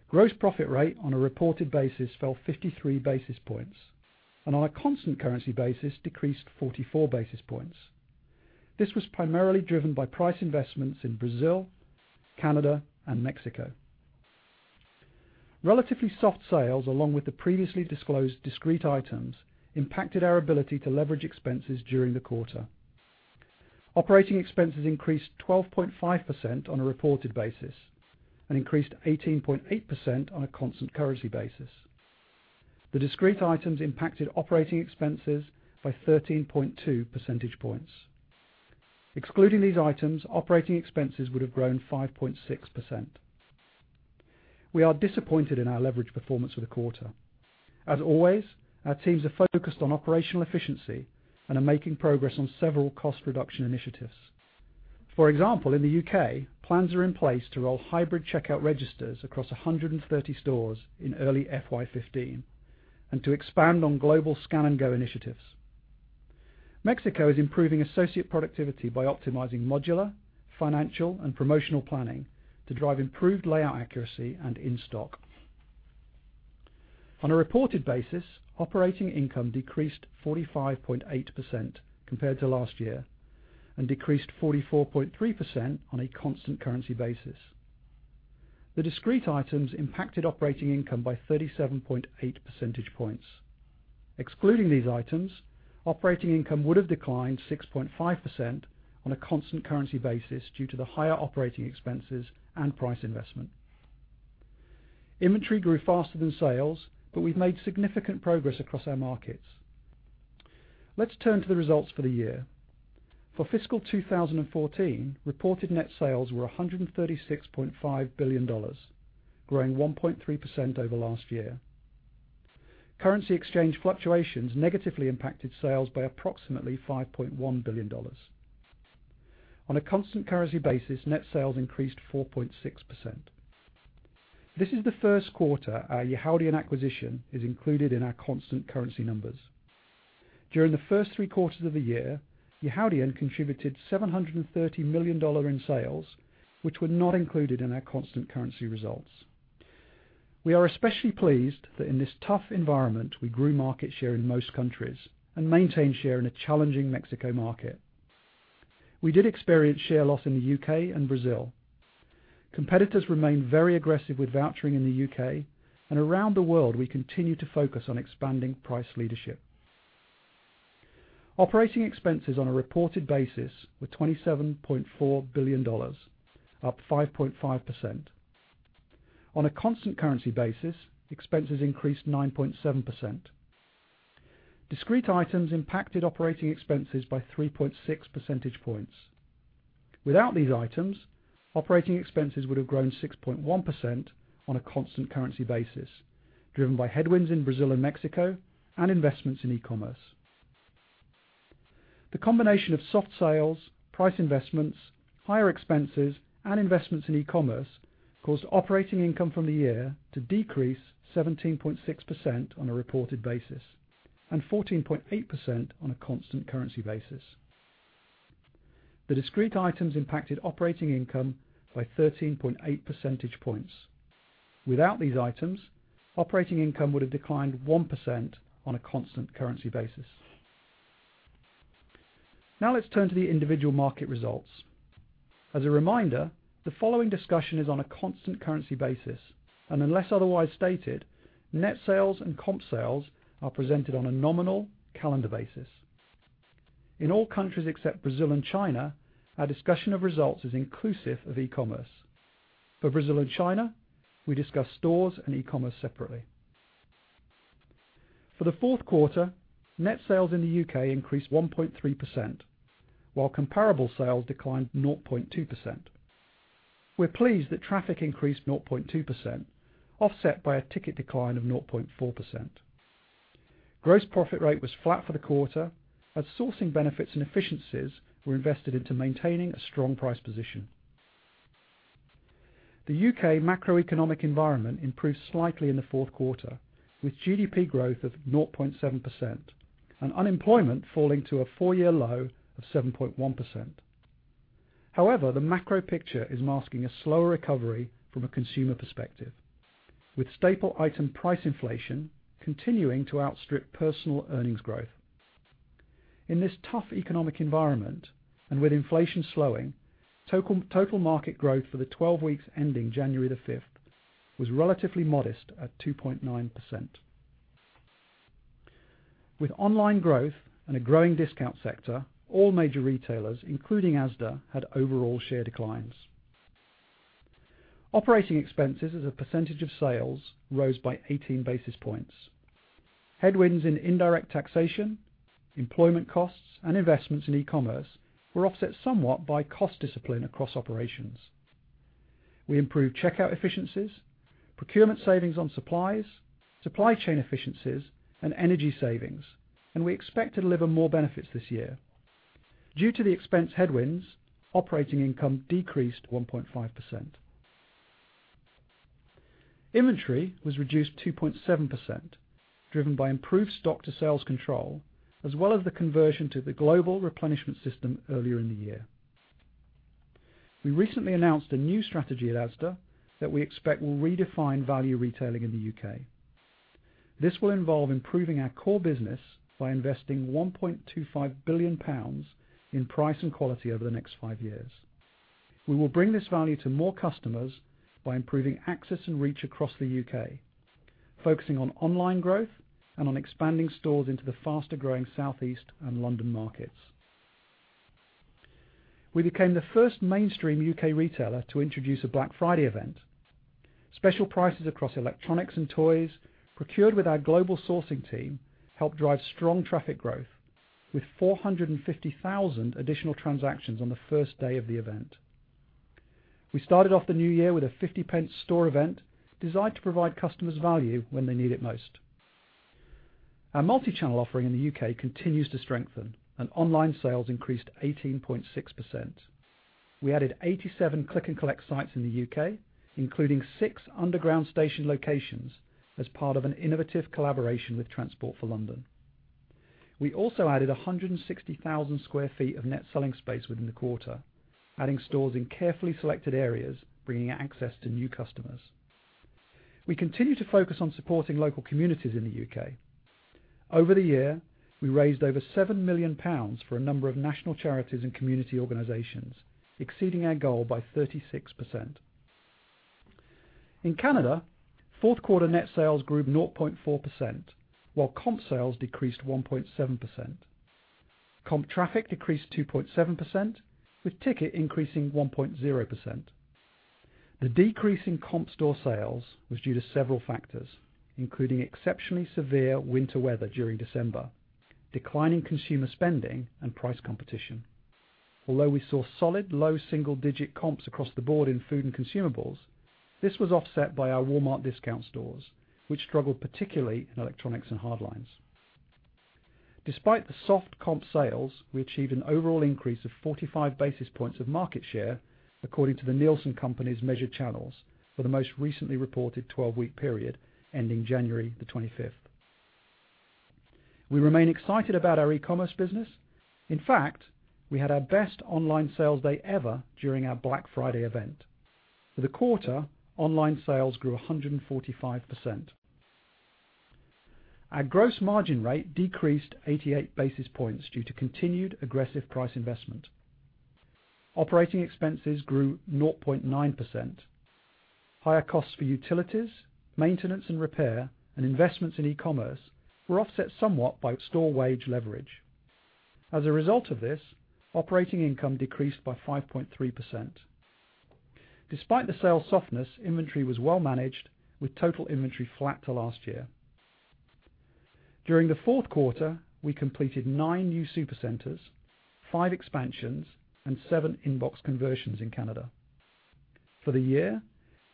Gross profit rate on a reported basis fell 53 basis points, and on a constant currency basis, decreased 44 basis points. This was primarily driven by price investments in Brazil, Canada, and Mexico. Relatively soft sales, along with the previously disclosed discrete items, impacted our ability to leverage expenses during the quarter. Operating expenses increased 12.5% on a reported basis and increased 18.8% on a constant currency basis. The discrete items impacted operating expenses by 13.2 percentage points. Excluding these items, operating expenses would have grown 5.6%. We are disappointed in our leverage performance for the quarter. As always, our teams are focused on operational efficiency and are making progress on several cost reduction initiatives. For example, in the U.K., plans are in place to roll hybrid checkout registers across 130 stores in early FY 2015 and to expand on global Scan & Go initiatives. Mexico is improving associate productivity by optimizing modular, financial, and promotional planning to drive improved layout accuracy and in-stock. On a reported basis, operating income decreased 45.8% compared to last year and decreased 44.3% on a constant currency basis. The discrete items impacted operating income by 37.8 percentage points. Excluding these items, operating income would have declined 6.5% on a constant currency basis due to the higher operating expenses and price investment. Inventory grew faster than sales, but we've made significant progress across our markets. Let's turn to the results for the year. For fiscal 2014, reported net sales were $136.5 billion, growing 1.3% over last year. Currency exchange fluctuations negatively impacted sales by approximately $5.1 billion. On a constant currency basis, net sales increased 4.6%. This is the first quarter our Yihaodian acquisition is included in our constant currency numbers. During the first three quarters of the year, Yihaodian contributed $730 million in sales, which were not included in our constant currency results. We are especially pleased that in this tough environment, we grew market share in most countries and maintained share in a challenging Mexico market. We did experience share loss in the U.K. and Brazil. Competitors remain very aggressive with vouchering in the U.K., and around the world, we continue to focus on expanding price leadership. Operating expenses on a reported basis were $27.4 billion, up 5.5%. On a constant currency basis, expenses increased 9.7%. Discrete items impacted operating expenses by 3.6 percentage points. Without these items, operating expenses would have grown 6.1% on a constant currency basis, driven by headwinds in Brazil and Mexico and investments in e-commerce. The combination of soft sales, price investments, higher expenses, and investments in e-commerce caused operating income from the year to decrease 17.6% on a reported basis and 14.8% on a constant currency basis. The discrete items impacted operating income by 13.8 percentage points. Without these items, operating income would have declined 1% on a constant currency basis. Let's turn to the individual market results. As a reminder, the following discussion is on a constant currency basis, unless otherwise stated, net sales and comp sales are presented on a nominal calendar basis. In all countries except Brazil and China, our discussion of results is inclusive of e-commerce. For Brazil and China, we discuss stores and e-commerce separately. For the fourth quarter, net sales in the U.K. increased 1.3%, while comparable sales declined 0.2%. We're pleased that traffic increased 0.2%, offset by a ticket decline of 0.4%. Gross profit rate was flat for the quarter as sourcing benefits and efficiencies were invested into maintaining a strong price position. The U.K. macroeconomic environment improved slightly in the fourth quarter, with GDP growth of 0.7% and unemployment falling to a four-year low of 7.1%. However, the macro picture is masking a slower recovery from a consumer perspective, with staple item price inflation continuing to outstrip personal earnings growth. In this tough economic environment with inflation slowing, total market growth for the 12 weeks ending January the 5th was relatively modest at 2.9%. With online growth and a growing discount sector, all major retailers, including Asda, had overall share declines. Operating expenses as a percentage of sales rose by 18 basis points. Headwinds in indirect taxation, employment costs, and investments in e-commerce were offset somewhat by cost discipline across operations. We improved checkout efficiencies, procurement savings on supplies, supply chain efficiencies, and energy savings, we expect to deliver more benefits this year. Due to the expense headwinds, operating income decreased 1.5%. Inventory was reduced 2.7%, driven by improved stock-to-sales control, as well as the conversion to the global replenishment system earlier in the year. We recently announced a new strategy at Asda that we expect will redefine value retailing in the U.K. This will involve improving our core business by investing 1.25 billion pounds in price and quality over the next five years. We will bring this value to more customers by improving access and reach across the U.K., focusing on online growth and on expanding stores into the faster-growing Southeast and London markets. We became the first mainstream U.K. retailer to introduce a Black Friday event. Special prices across electronics and toys procured with our global sourcing team helped drive strong traffic growth, with 450,000 additional transactions on the first day of the event. We started off the new year with a 0.50 store event designed to provide customers value when they need it most. Our multi-channel offering in the U.K. continues to strengthen, and online sales increased 18.6%. We added 87 Click and Collect sites in the U.K., including six underground station locations as part of an innovative collaboration with Transport for London. We also added 160,000 sq ft of net selling space within the quarter, adding stores in carefully selected areas, bringing access to new customers. We continue to focus on supporting local communities in the U.K. Over the year, we raised over 7 million pounds for a number of national charities and community organizations, exceeding our goal by 36%. In Canada, fourth quarter net sales grew 0.4%, while comp sales decreased 1.7%. Comp traffic decreased 2.7%, with ticket increasing 1.0%. The decrease in comp store sales was due to several factors, including exceptionally severe winter weather during December, declining consumer spending, and price competition. Although we saw solid low single-digit comps across the board in food and consumables, this was offset by our Walmart discount stores, which struggled particularly in electronics and hard lines. Despite the soft comp sales, we achieved an overall increase of 45 basis points of market share, according to the Nielsen Company's measured channels for the most recently reported 12-week period, ending January the 25th. We remain excited about our e-commerce business. In fact, we had our best online sales day ever during our Black Friday event. For the quarter, online sales grew 145%. Our gross margin rate decreased 88 basis points due to continued aggressive price investment. Operating expenses grew 0.9%. Higher costs for utilities, maintenance and repair, and investments in e-commerce were offset somewhat by store wage leverage. As a result of this, operating income decreased by 5.3%. Despite the sales softness, inventory was well managed, with total inventory flat to last year. During the fourth quarter, we completed nine new supercenters, five expansions, and seven inbox conversions in Canada. For the year,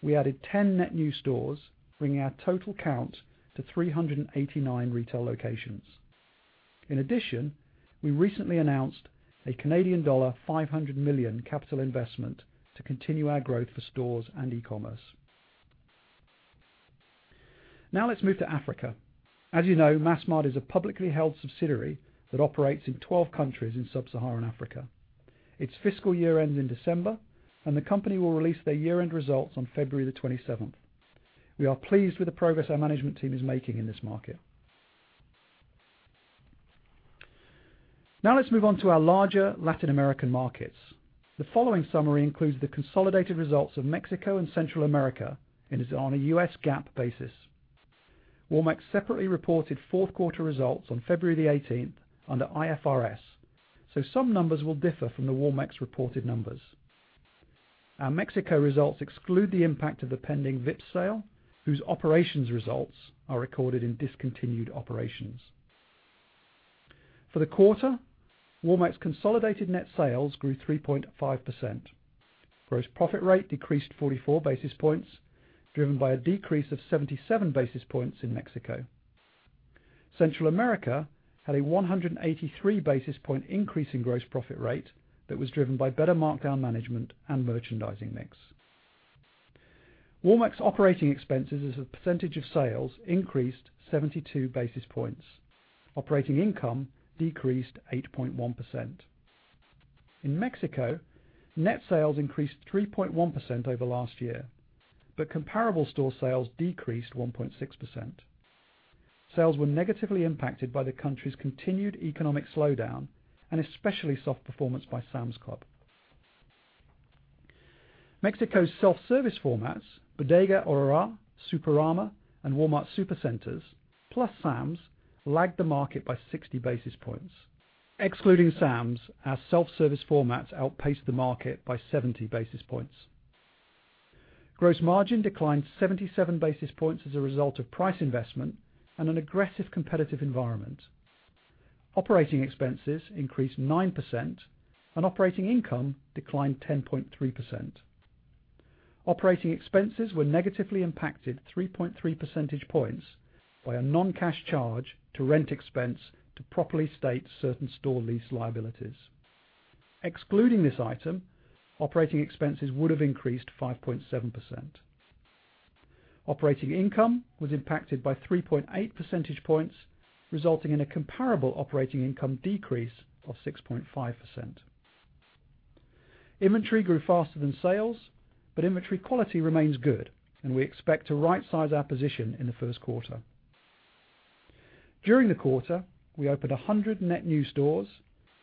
we added 10 net new stores, bringing our total count to 389 retail locations. In addition, we recently announced a Canadian dollar 500 million capital investment to continue our growth for stores and e-commerce. Now let's move to Africa. As you know, Massmart is a publicly held subsidiary that operates in 12 countries in sub-Saharan Africa. Its fiscal year ends in December, and the company will release their year-end results on February the 27th. We are pleased with the progress our management team is making in this market. Now let's move on to our larger Latin American markets. The following summary includes the consolidated results of Mexico and Central America and is on a U.S. GAAP basis. Walmex separately reported fourth quarter results on February the 18th under IFRS, so some numbers will differ from the Walmex reported numbers. Our Mexico results exclude the impact of the pending Vips sale, whose operations results are recorded in discontinued operations. For the quarter, Walmex consolidated net sales grew 3.5%. Gross profit rate decreased 44 basis points, driven by a decrease of 77 basis points in Mexico. Central America had a 183 basis point increase in gross profit rate that was driven by better markdown management and merchandising mix. Walmex operating expenses as a percentage of sales increased 72 basis points. Operating income decreased 8.1%. In Mexico, net sales increased 3.1% over last year, comparable store sales decreased 1.6%. Sales were negatively impacted by the country's continued economic slowdown and especially soft performance by Sam's Club. Mexico's self-service formats, Bodega Aurrerá, Superama, and Walmart Supercenters, plus Sam's, lagged the market by 60 basis points. Excluding Sam's, our self-service formats outpaced the market by 70 basis points. Gross margin declined 77 basis points as a result of price investment and an aggressive competitive environment. Operating expenses increased 9%, and operating income declined 10.3%. Operating expenses were negatively impacted 3.3 percentage points by a non-cash charge to rent expense to properly state certain store lease liabilities. Excluding this item, operating expenses would have increased 5.7%. Operating income was impacted by 3.8 percentage points, resulting in a comparable operating income decrease of 6.5%. Inventory grew faster than sales, inventory quality remains good, and we expect to rightsize our position in the first quarter. During the quarter, we opened 100 net new stores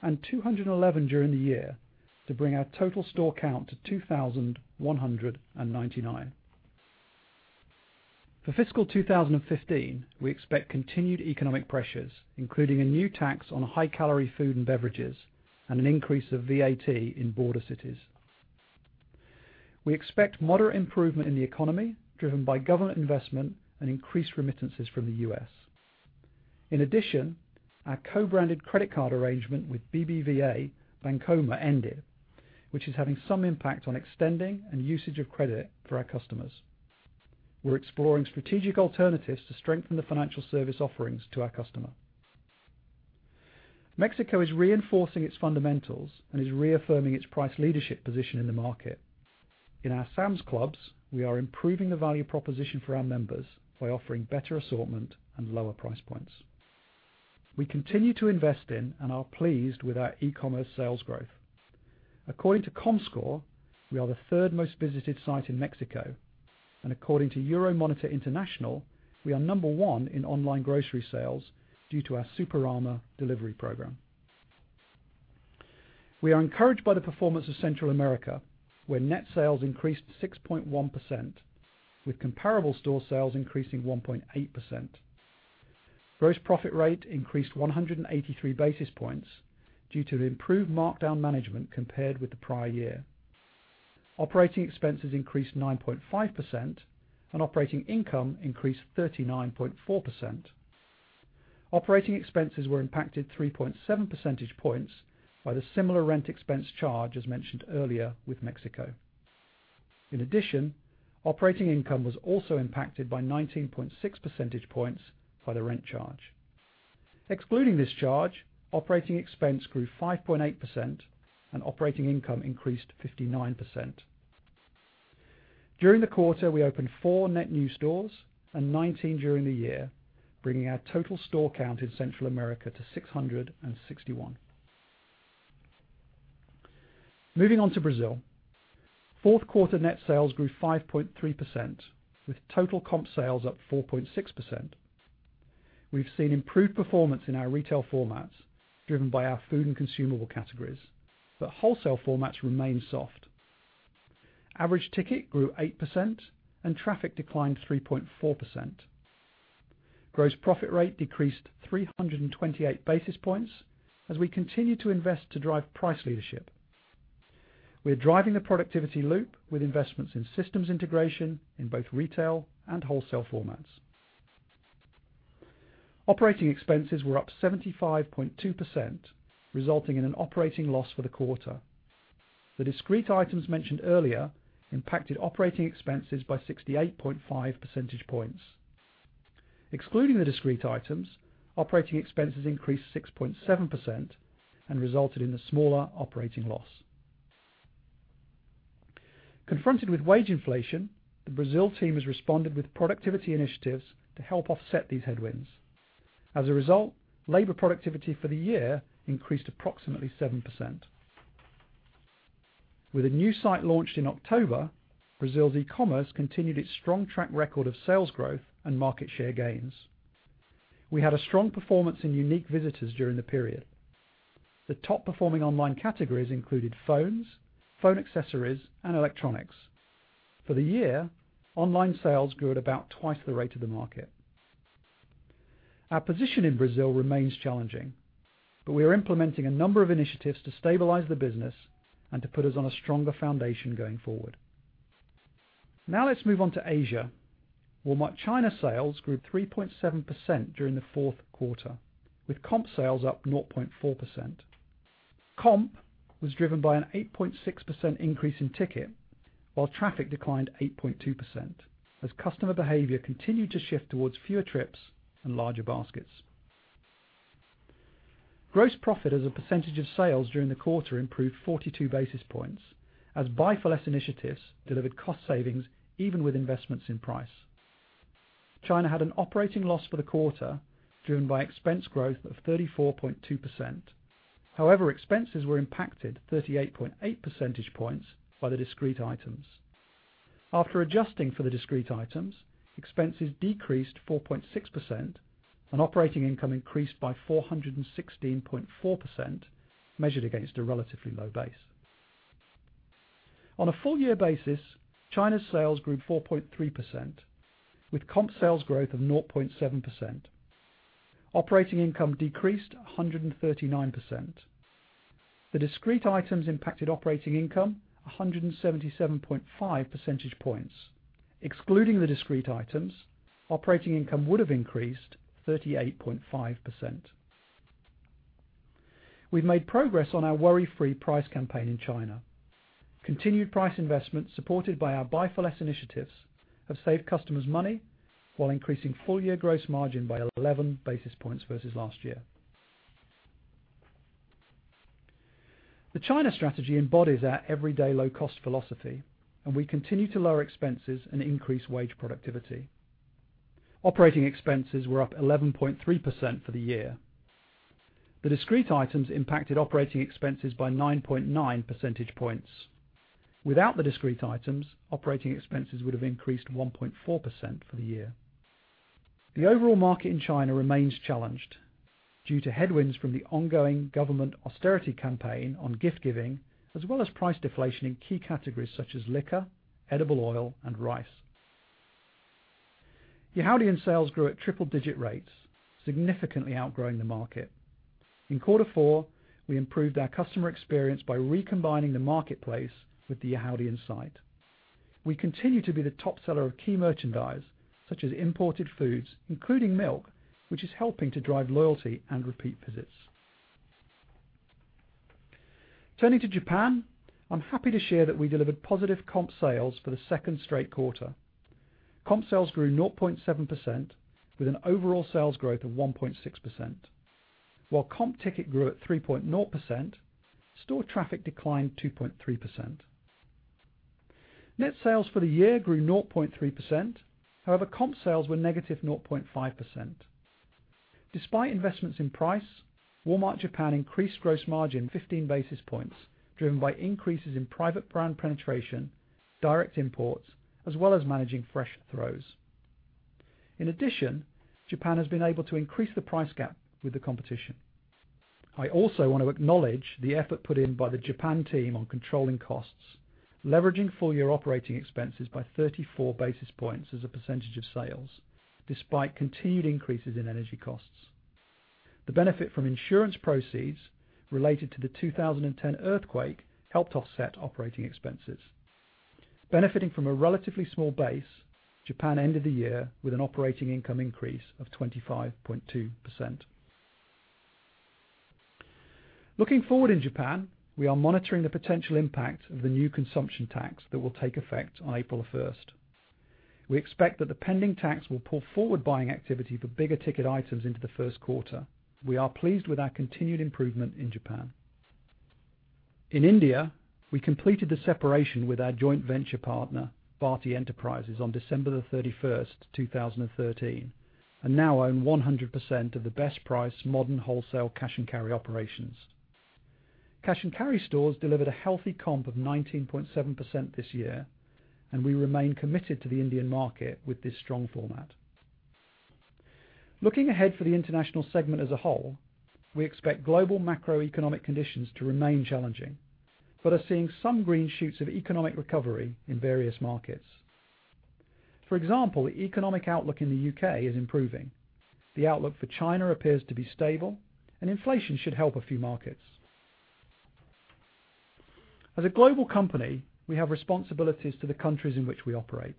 and 211 during the year to bring our total store count to 2,199. For fiscal 2015, we expect continued economic pressures, including a new tax on high-calorie food and beverages and an increase of VAT in border cities. We expect moderate improvement in the economy, driven by government investment and increased remittances from the U.S. In addition, our co-branded credit card arrangement with BBVA Bancomer ended, which is having some impact on extending and usage of credit for our customers. We're exploring strategic alternatives to strengthen the financial service offerings to our customer. Mexico is reinforcing its fundamentals and is reaffirming its price leadership position in the market. In our Sam's Clubs, we are improving the value proposition for our members by offering better assortment and lower price points. We continue to invest in and are pleased with our e-commerce sales growth. According to Comscore, we are the third most visited site in Mexico, and according to Euromonitor International, we are number one in online grocery sales due to our Superama delivery program. We are encouraged by the performance of Central America, where net sales increased 6.1%, with comparable store sales increasing 1.8%. Gross profit rate increased 183 basis points due to improved markdown management compared with the prior year. Operating expenses increased 9.5%, and operating income increased 39.4%. Operating expenses were impacted 3.7 percentage points by the similar rent expense charge as mentioned earlier with Mexico. In addition, operating income was also impacted by 19.6 percentage points by the rent charge. Excluding this charge, operating expense grew 5.8%, operating income increased 59%. During the quarter, we opened four net new stores and 19 during the year, bringing our total store count in Central America to 661. Moving on to Brazil. Fourth quarter net sales grew 5.3%, with total comp sales up 4.6%. We've seen improved performance in our retail formats, driven by our food and consumable categories, wholesale formats remain soft. Average ticket grew 8%, and traffic declined 3.4%. Gross profit rate decreased 328 basis points as we continue to invest to drive price leadership. We're driving the productivity loop with investments in systems integration in both retail and wholesale formats. Operating expenses were up 75.2%, resulting in an operating loss for the quarter. The discrete items mentioned earlier impacted operating expenses by 68.5 percentage points. Excluding the discrete items, operating expenses increased 6.7% and resulted in a smaller operating loss. Confronted with wage inflation, the Brazil team has responded with productivity initiatives to help offset these headwinds. As a result, labor productivity for the year increased approximately 7%. With a new site launched in October, Brazil's e-commerce continued its strong track record of sales growth and market share gains. We had a strong performance in unique visitors during the period. The top-performing online categories included phones, phone accessories, and electronics. For the year, online sales grew at about twice the rate of the market. Our position in Brazil remains challenging, but we are implementing a number of initiatives to stabilize the business and to put us on a stronger foundation going forward. Let's move on to Asia. Walmart China sales grew 3.7% during the fourth quarter, with comp sales up 0.4%. Comp was driven by an 8.6% increase in ticket, while traffic declined 8.2% as customer behavior continued to shift towards fewer trips and larger baskets. Gross profit as a percentage of sales during the quarter improved 42 basis points as Buy for Less initiatives delivered cost savings even with investments in price. China had an operating loss for the quarter, driven by expense growth of 34.2%. Expenses were impacted 38.8 percentage points by the discrete items. After adjusting for the discrete items, expenses decreased 4.6% and operating income increased by 416.4%, measured against a relatively low base. On a full-year basis, China's sales grew 4.3%, with comp sales growth of 0.7%. Operating income decreased 139%. The discrete items impacted operating income 177.5 percentage points. Excluding the discrete items, operating income would have increased 38.5%. We've made progress on our Worry-Free Price campaign in China. Continued price investments supported by our Buy for Less initiatives have saved customers money while increasing full-year gross margin by 11 basis points versus last year. The China strategy embodies our everyday low cost philosophy. We continue to lower expenses and increase wage productivity. Operating expenses were up 11.3% for the year. The discrete items impacted operating expenses by 9.9 percentage points. Without the discrete items, operating expenses would have increased 1.4% for the year. The overall market in China remains challenged due to headwinds from the ongoing government austerity campaign on gift giving, as well as price deflation in key categories such as liquor, edible oil, and rice. Yihaodian sales grew at triple-digit rates, significantly outgrowing the market. In quarter four, we improved our customer experience by recombining the marketplace with the Yihaodian site. We continue to be the top seller of key merchandise, such as imported foods, including milk, which is helping to drive loyalty and repeat visits. Turning to Japan, I'm happy to share that we delivered positive comp sales for the second straight quarter. Comp sales grew 0.7% with an overall sales growth of 1.6%. While comp ticket grew at 3.0%, store traffic declined 2.3%. Net sales for the year grew 0.3%. Comp sales were negative 0.5%. Despite investments in price, Walmart Japan increased gross margin 15 basis points, driven by increases in private brand penetration, direct imports, as well as managing fresh throws. In addition, Japan has been able to increase the price gap with the competition. I also want to acknowledge the effort put in by the Japan team on controlling costs, leveraging full-year operating expenses by 34 basis points as a percentage of sales, despite continued increases in energy costs. The benefit from insurance proceeds related to the 2010 earthquake helped offset operating expenses. Benefiting from a relatively small base, Japan ended the year with an operating income increase of 25.2%. Looking forward in Japan, we are monitoring the potential impact of the new consumption tax that will take effect on April 1st. We expect that the pending tax will pull forward buying activity for bigger ticket items into the first quarter. We are pleased with our continued improvement in Japan. In India, we completed the separation with our joint venture partner, Bharti Enterprises, on December 31st, 2013, and now own 100% of the Best Price Modern Wholesale cash-and-carry operations. Cash-and-carry stores delivered a healthy comp of 19.7% this year. We remain committed to the Indian market with this strong format. Looking ahead for the International segment as a whole, we expect global macroeconomic conditions to remain challenging. Are seeing some green shoots of economic recovery in various markets. For example, the economic outlook in the U.K. is improving. The outlook for China appears to be stable. Inflation should help a few markets. As a global company, we have responsibilities to the countries in which we operate.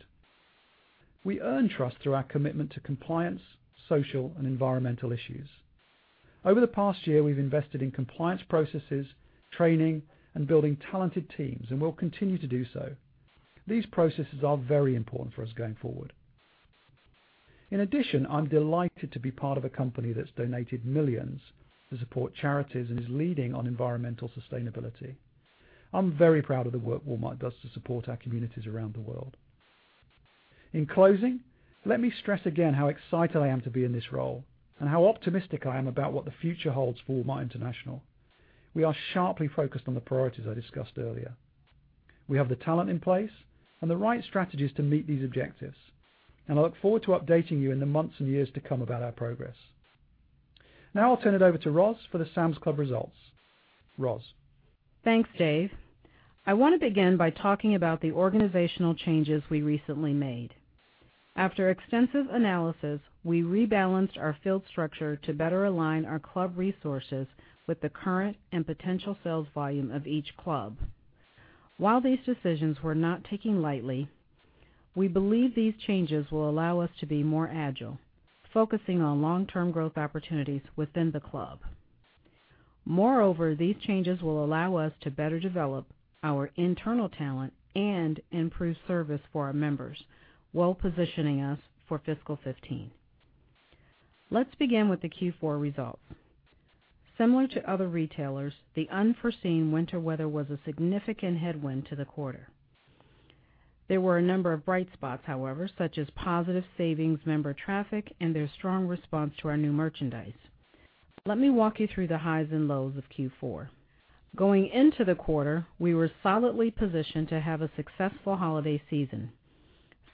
We earn trust through our commitment to compliance, social, and environmental issues. Over the past year, we've invested in compliance processes, training, and building talented teams. We'll continue to do so. These processes are very important for us going forward. In addition, I'm delighted to be part of a company that's donated millions to support charities and is leading on environmental sustainability. I'm very proud of the work Walmart does to support our communities around the world. In closing, let me stress again how excited I am to be in this role and how optimistic I am about what the future holds for Walmart International. We are sharply focused on the priorities I discussed earlier. We have the talent in place and the right strategies to meet these objectives. I look forward to updating you in the months and years to come about our progress. I'll turn it over to Roz for the Sam's Club results. Roz?
Thanks, Dave. I want to begin by talking about the organizational changes we recently made. After extensive analysis, we rebalanced our field structure to better align our club resources with the current and potential sales volume of each club. While these decisions were not taken lightly, we believe these changes will allow us to be more agile, focusing on long-term growth opportunities within the club. Moreover, these changes will allow us to better develop our internal talent and improve service for our members while positioning us for fiscal 2015. Let's begin with the Q4 results. Similar to other retailers, the unforeseen winter weather was a significant headwind to the quarter. There were a number of bright spots, however, such as positive savings member traffic. Their strong response to our new merchandise. Let me walk you through the highs and lows of Q4. Going into the quarter, we were solidly positioned to have a successful holiday season.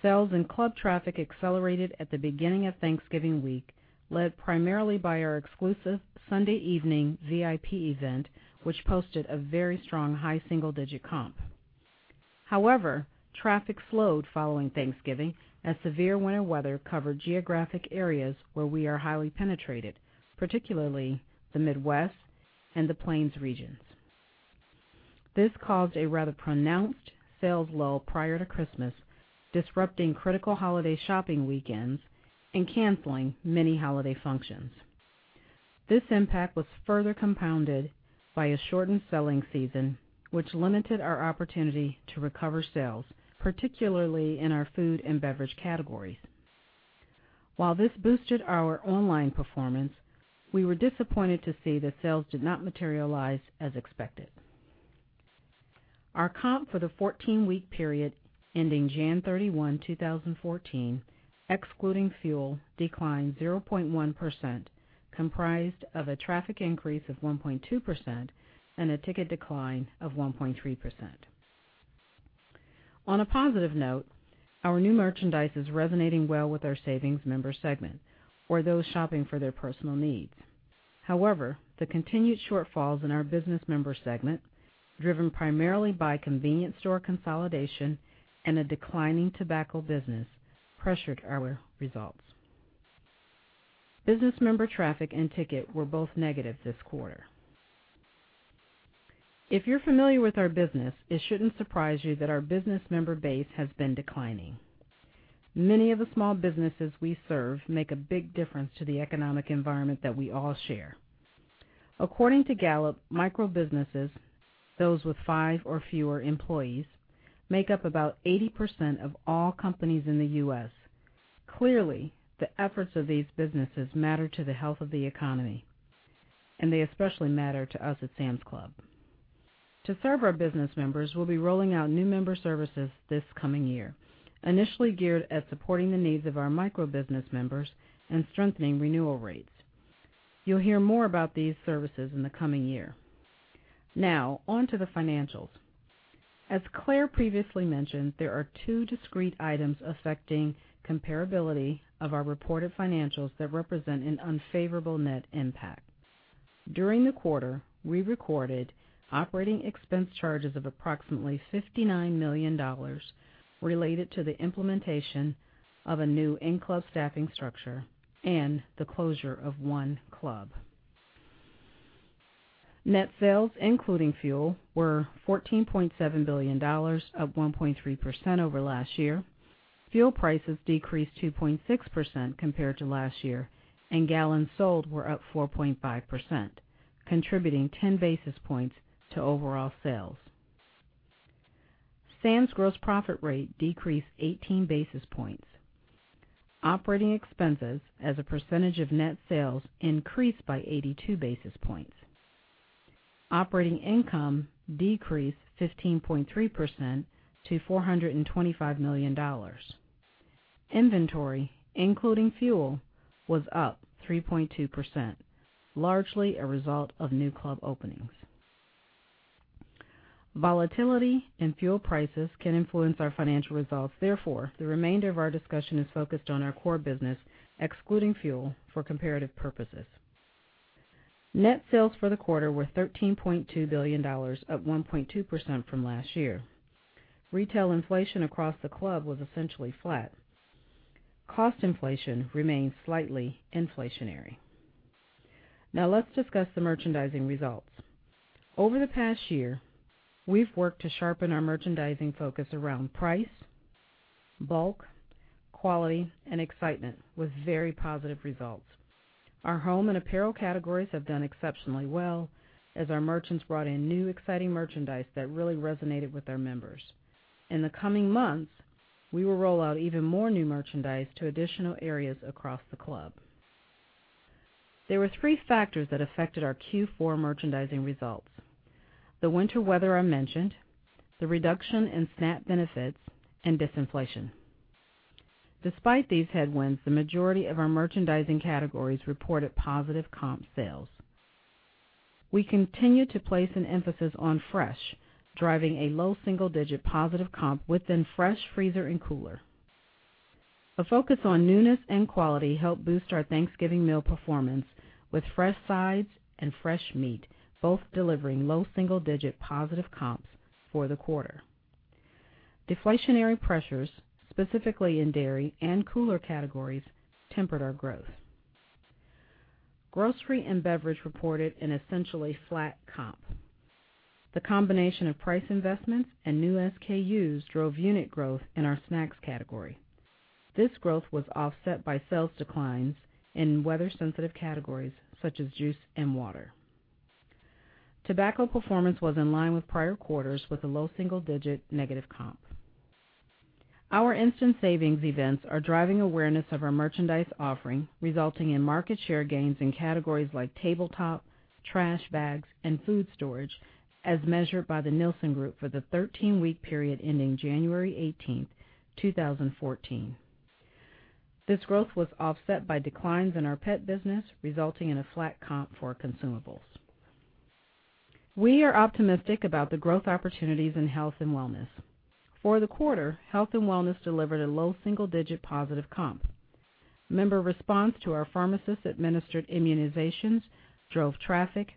Sales and club traffic accelerated at the beginning of Thanksgiving week, led primarily by our exclusive Sunday evening VIP event, which posted a very strong high single-digit comp. Traffic slowed following Thanksgiving as severe winter weather covered geographic areas where we are highly penetrated, particularly the Midwest and the Plains regions. This caused a rather pronounced sales lull prior to Christmas, disrupting critical holiday shopping weekends and canceling many holiday functions. This impact was further compounded by a shortened selling season, which limited our opportunity to recover sales, particularly in our food and beverage categories. While this boosted our online performance, we were disappointed to see that sales did not materialize as expected. Our comp for the 14-week period ending Jan 31, 2014, excluding fuel, declined 0.1%, comprised of a traffic increase of 1.2% and a ticket decline of 1.3%. A positive note, our new merchandise is resonating well with our savings member segment for those shopping for their personal needs. The continued shortfalls in our business member segment, driven primarily by convenience store consolidation and a declining tobacco business, pressured our results. Business member traffic and ticket were both negative this quarter. If you're familiar with our business, it shouldn't surprise you that our business member base has been declining. Many of the small businesses we serve make a big difference to the economic environment that we all share. According to Gallup, micro-businesses, those with five or fewer employees, make up about 80% of all companies in the U.S. The efforts of these businesses matter to the health of the economy, and they especially matter to us at Sam's Club. To serve our business members, we'll be rolling out new member services this coming year, initially geared at supporting the needs of our micro-business members and strengthening renewal rates. You'll hear more about these services in the coming year. On to the financials. As Claire previously mentioned, there are two discrete items affecting comparability of our reported financials that represent an unfavorable net impact. During the quarter, we recorded operating expense charges of approximately $59 million related to the implementation of a new in-club staffing structure and the closure of one club. Net sales, including fuel, were $14.7 billion, up 1.3% over last year. Fuel prices decreased 2.6% compared to last year, and gallons sold were up 4.5%, contributing 10 basis points to overall sales. Sam's gross profit rate decreased 18 basis points. Operating expenses as a percentage of net sales increased by 82 basis points. Operating income decreased 15.3% to $425 million. Inventory, including fuel, was up 3.2%, largely a result of new club openings. Volatility in fuel prices can influence our financial results. The remainder of our discussion is focused on our core business, excluding fuel for comparative purposes. Net sales for the quarter were $13.2 billion, up 1.2% from last year. Retail inflation across the club was essentially flat. Cost inflation remains slightly inflationary. Let's discuss the merchandising results. Over the past year, we've worked to sharpen our merchandising focus around price, bulk, quality, and excitement with very positive results. Our home and apparel categories have done exceptionally well as our merchants brought in new, exciting merchandise that really resonated with our members. In the coming months, we will roll out even more new merchandise to additional areas across the club. There were three factors that affected our Q4 merchandising results: the winter weather I mentioned, the reduction in SNAP benefits, and disinflation. Despite these headwinds, the majority of our merchandising categories reported positive comp sales. We continue to place an emphasis on fresh, driving a low single-digit positive comp within fresh, freezer, and cooler. A focus on newness and quality helped boost our Thanksgiving meal performance, with fresh sides and fresh meat both delivering low double-digit positive comps for the quarter. Deflationary pressures, specifically in dairy and cooler categories, tempered our growth. Grocery and beverage reported an essentially flat comp. The combination of price investments and new SKUs drove unit growth in our snacks category. This growth was offset by sales declines in weather-sensitive categories such as juice and water. Tobacco performance was in line with prior quarters, with a low single-digit negative comp. Our Instant Savings events are driving awareness of our merchandise offering, resulting in market share gains in categories like tabletop, trash bags, and food storage, as measured by the Nielsen Group for the 13-week period ending January 18th, 2014. This growth was offset by declines in our pet business, resulting in a flat comp for consumables. We are optimistic about the growth opportunities in health and wellness. For the quarter, health and wellness delivered a low single-digit positive comp. Member response to our pharmacist-administered immunizations drove traffic,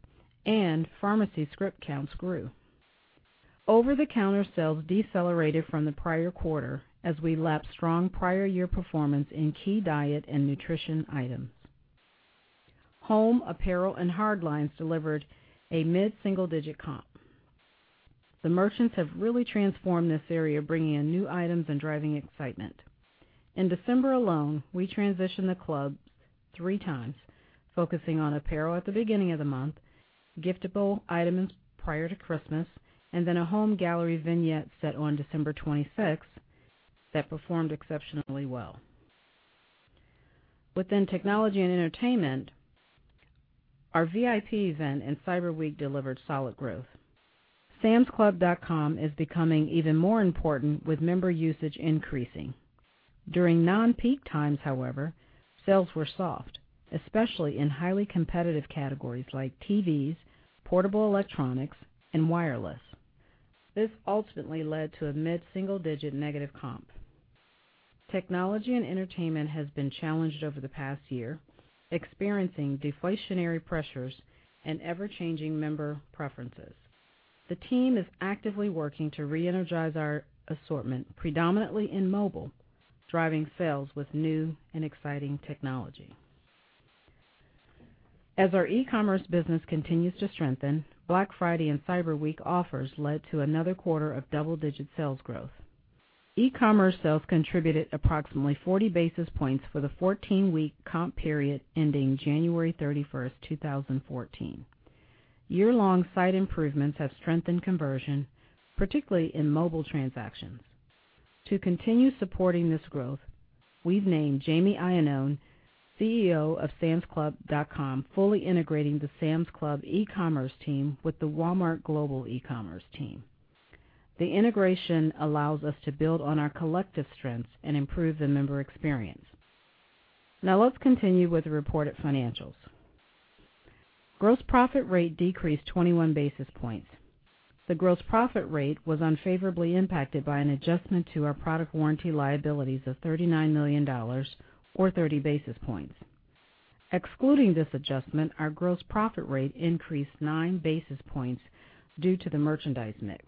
and pharmacy script counts grew. Over-the-counter sales decelerated from the prior quarter as we lapped strong prior year performance in key diet and nutrition items. Home, apparel, and hard lines delivered a mid-single-digit comp. The merchants have really transformed this area, bringing in new items and driving excitement. In December alone, we transitioned the club three times, focusing on apparel at the beginning of the month, giftable items prior to Christmas, and then a home gallery vignette set on December 26th that performed exceptionally well. Within technology and entertainment, our VIP event and Cyber Week delivered solid growth. samsclub.com is becoming even more important, with member usage increasing. During non-peak times, however, sales were soft, especially in highly competitive categories like TVs, portable electronics, and wireless. This ultimately led to a mid-single-digit negative comp. Technology and entertainment has been challenged over the past year, experiencing deflationary pressures and ever-changing member preferences. The team is actively working to reenergize our assortment, predominantly in mobile, driving sales with new and exciting technology. As our e-commerce business continues to strengthen, Black Friday and Cyber Week offers led to another quarter of double-digit sales growth. E-commerce sales contributed approximately 40 basis points for the 14-week comp period ending January 31st, 2014. Year-long site improvements have strengthened conversion, particularly in mobile transactions. To continue supporting this growth, we've named Jamie Iannone, CEO of samsclub.com, fully integrating the Sam's Club e-commerce team with the Walmart Global eCommerce team. The integration allows us to build on our collective strengths and improve the member experience. Now let's continue with reported financials. Gross profit rate decreased 21 basis points. The gross profit rate was unfavorably impacted by an adjustment to our product warranty liabilities of $39 million, or 30 basis points. Excluding this adjustment, our gross profit rate increased nine basis points due to the merchandise mix.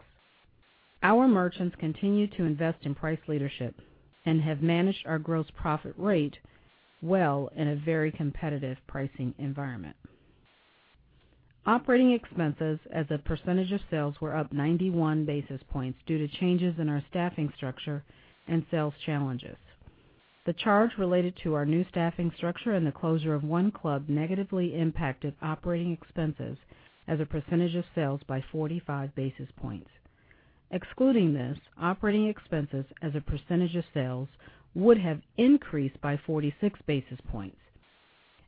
Our merchants continue to invest in price leadership and have managed our gross profit rate well in a very competitive pricing environment. Operating expenses as a percentage of sales were up 91 basis points due to changes in our staffing structure and sales challenges. The charge related to our new staffing structure and the closure of one club negatively impacted operating expenses as a percentage of sales by 45 basis points. Excluding this, operating expenses as a percentage of sales would have increased by 46 basis points.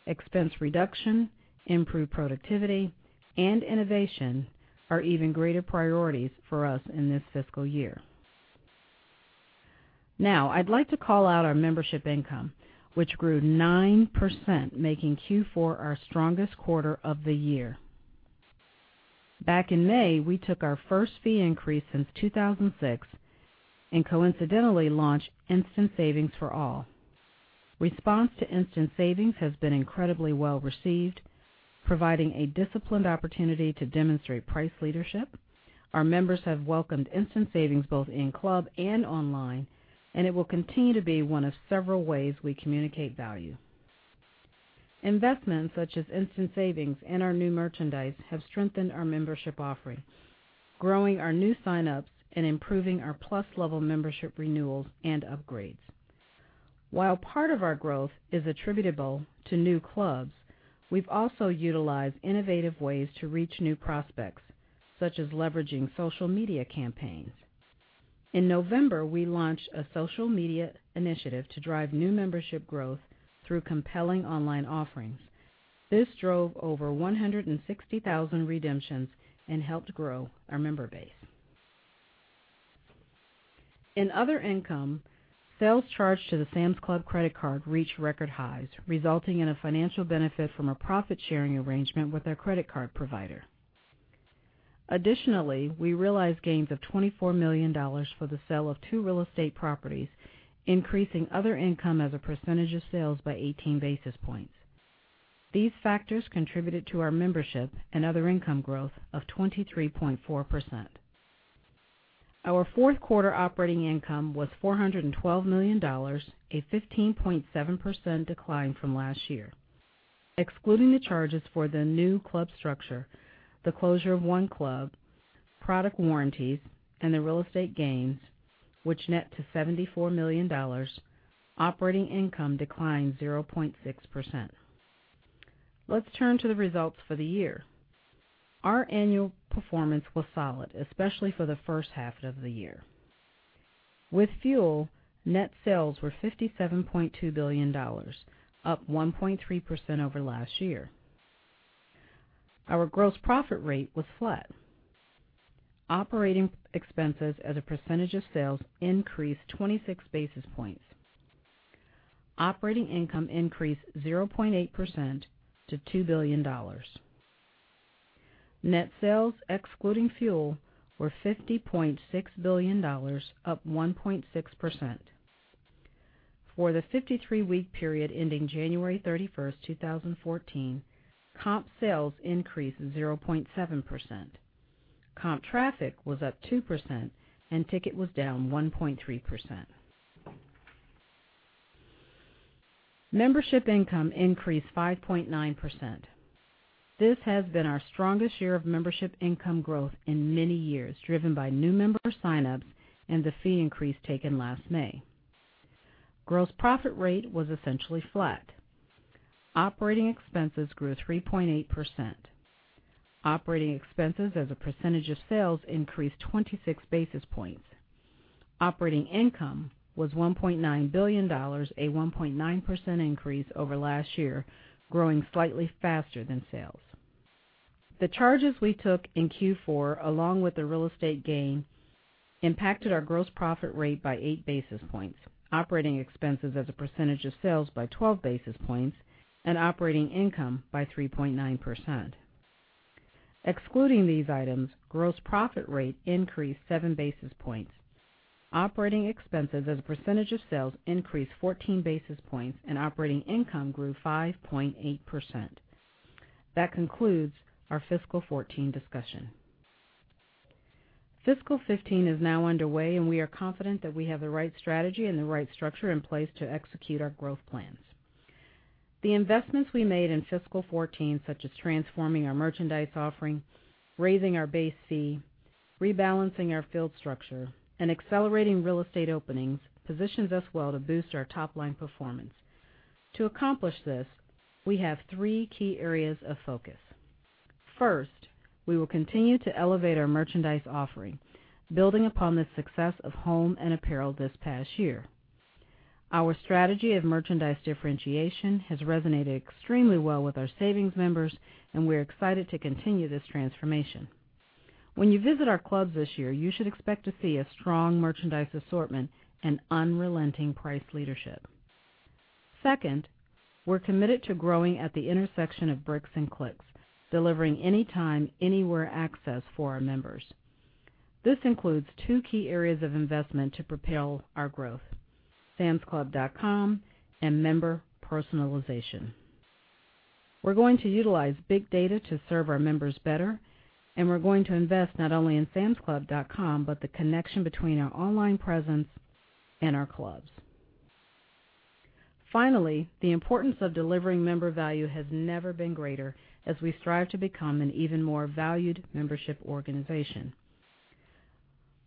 Expense reduction, improved productivity, and innovation are even greater priorities for us in this fiscal year. I'd like to call out our membership income, which grew 9%, making Q4 our strongest quarter of the year. Back in May, we took our first fee increase since 2006 and coincidentally launched Instant Savings for all. Response to Instant Savings has been incredibly well-received, providing a disciplined opportunity to demonstrate price leadership. Our members have welcomed Instant Savings both in-club and online. It will continue to be one of several ways we communicate value. Investments such as Instant Savings and our new merchandise have strengthened our membership offering, growing our new signups and improving our Plus level membership renewals and upgrades. While part of our growth is attributable to new clubs, we've also utilized innovative ways to reach new prospects, such as leveraging social media campaigns. In November, we launched a social media initiative to drive new membership growth through compelling online offerings. This drove over 160,000 redemptions and helped grow our member base. In other income, sales charged to the Sam's Club credit card reached record highs, resulting in a financial benefit from a profit-sharing arrangement with our credit card provider. Additionally, we realized gains of $24 million for the sale of two real estate properties, increasing other income as a percentage of sales by 18 basis points. These factors contributed to our membership and other income growth of 23.4%. Our fourth quarter operating income was $412 million, a 15.7% decline from last year. Excluding the charges for the new club structure, the closure of one club, product warranties, and the real estate gains, which net to $74 million, operating income declined 0.6%. Let's turn to the results for the year. Our annual performance was solid, especially for the first half of the year. With fuel, net sales were $57.2 billion, up 1.3% over last year. Our gross profit rate was flat. Operating expenses as a percentage of sales increased 26 basis points. Operating income increased 0.8% to $2 billion. Net sales, excluding fuel, were $50.6 billion, up 1.6%. For the 53-week period ending January 31st, 2014, comp sales increased 0.7%. Comp traffic was up 2% and ticket was down 1.3%. Membership income increased 5.9%. This has been our strongest year of membership income growth in many years, driven by new member sign-ups and the fee increase taken last May. Gross profit rate was essentially flat. Operating expenses grew 3.8%. Operating expenses as a percentage of sales increased 26 basis points. Operating income was $1.9 billion, a 1.9% increase over last year, growing slightly faster than sales. The charges we took in Q4, along with the real estate gain, impacted our gross profit rate by eight basis points, operating expenses as a percentage of sales by 12 basis points, and operating income by 3.9%. Excluding these items, gross profit rate increased seven basis points, operating expenses as a percentage of sales increased 14 basis points, operating income grew 5.8%. That concludes our fiscal 2014 discussion. Fiscal 2015 is now underway, we are confident that we have the right strategy and the right structure in place to execute our growth plans. The investments we made in fiscal 2014, such as transforming our merchandise offering, raising our base fee, rebalancing our field structure, and accelerating real estate openings, positions us well to boost our top-line performance. To accomplish this, we have three key areas of focus. First, we will continue to elevate our merchandise offering, building upon the success of home and apparel this past year. Our strategy of merchandise differentiation has resonated extremely well with our savings members, we're excited to continue this transformation. When you visit our clubs this year, you should expect to see a strong merchandise assortment and unrelenting price leadership. Second, we're committed to growing at the intersection of bricks and clicks, delivering anytime, anywhere access for our members. This includes two key areas of investment to propel our growth, samsclub.com and member personalization. We're going to utilize big data to serve our members better, we're going to invest not only in samsclub.com, but the connection between our online presence and our clubs. Finally, the importance of delivering member value has never been greater as we strive to become an even more valued membership organization.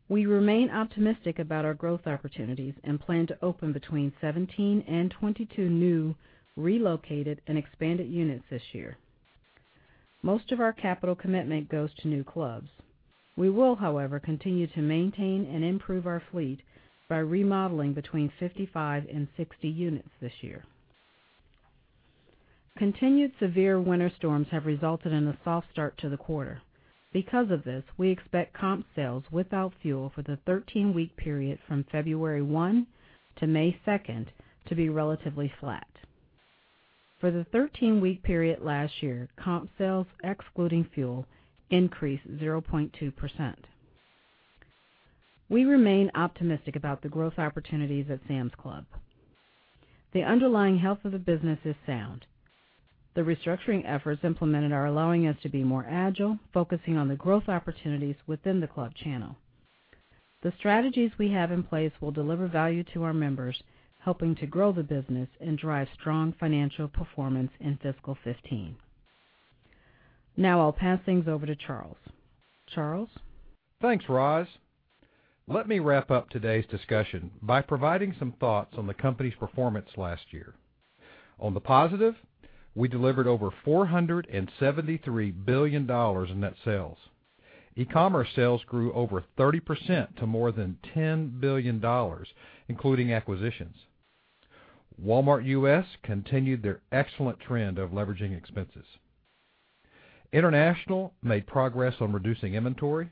We remain optimistic about our growth opportunities and plan to open between 17 and 22 new relocated and expanded units this year. Most of our capital commitment goes to new clubs. We will, however, continue to maintain and improve our fleet by remodeling between 55 and 60 units this year. Continued severe winter storms have resulted in a soft start to the quarter. Because of this, we expect comp sales without fuel for the 13-week period from February 1 to May 2nd to be relatively flat. For the 13-week period last year, comp sales, excluding fuel, increased 0.2%. We remain optimistic about the growth opportunities at Sam's Club. The underlying health of the business is sound. The restructuring efforts implemented are allowing us to be more agile, focusing on the growth opportunities within the club channel. The strategies we have in place will deliver value to our members, helping to grow the business and drive strong financial performance in fiscal 2015. Now I'll pass things over to Charles. Charles?
Thanks, Roz. Let me wrap up today's discussion by providing some thoughts on the company's performance last year. On the positive, we delivered over $473 billion in net sales. E-commerce sales grew over 30% to more than $10 billion, including acquisitions. Walmart U.S. continued their excellent trend of leveraging expenses. International made progress on reducing inventory.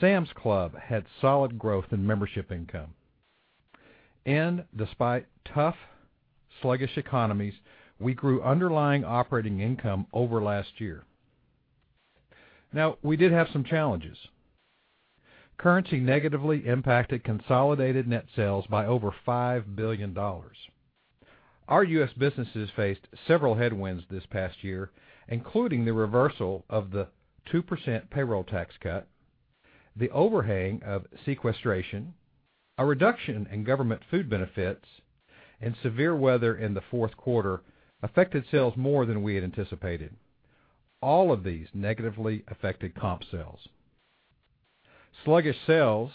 Sam's Club had solid growth in membership income. Despite tough, sluggish economies, we grew underlying operating income over last year. We did have some challenges. Currency negatively impacted consolidated net sales by over $5 billion. Our U.S. businesses faced several headwinds this past year, including the reversal of the 2% payroll tax cut, the overhang of sequestration, a reduction in government food benefits, severe weather in the fourth quarter affected sales more than we had anticipated. All of these negatively affected comp sales. Sluggish sales,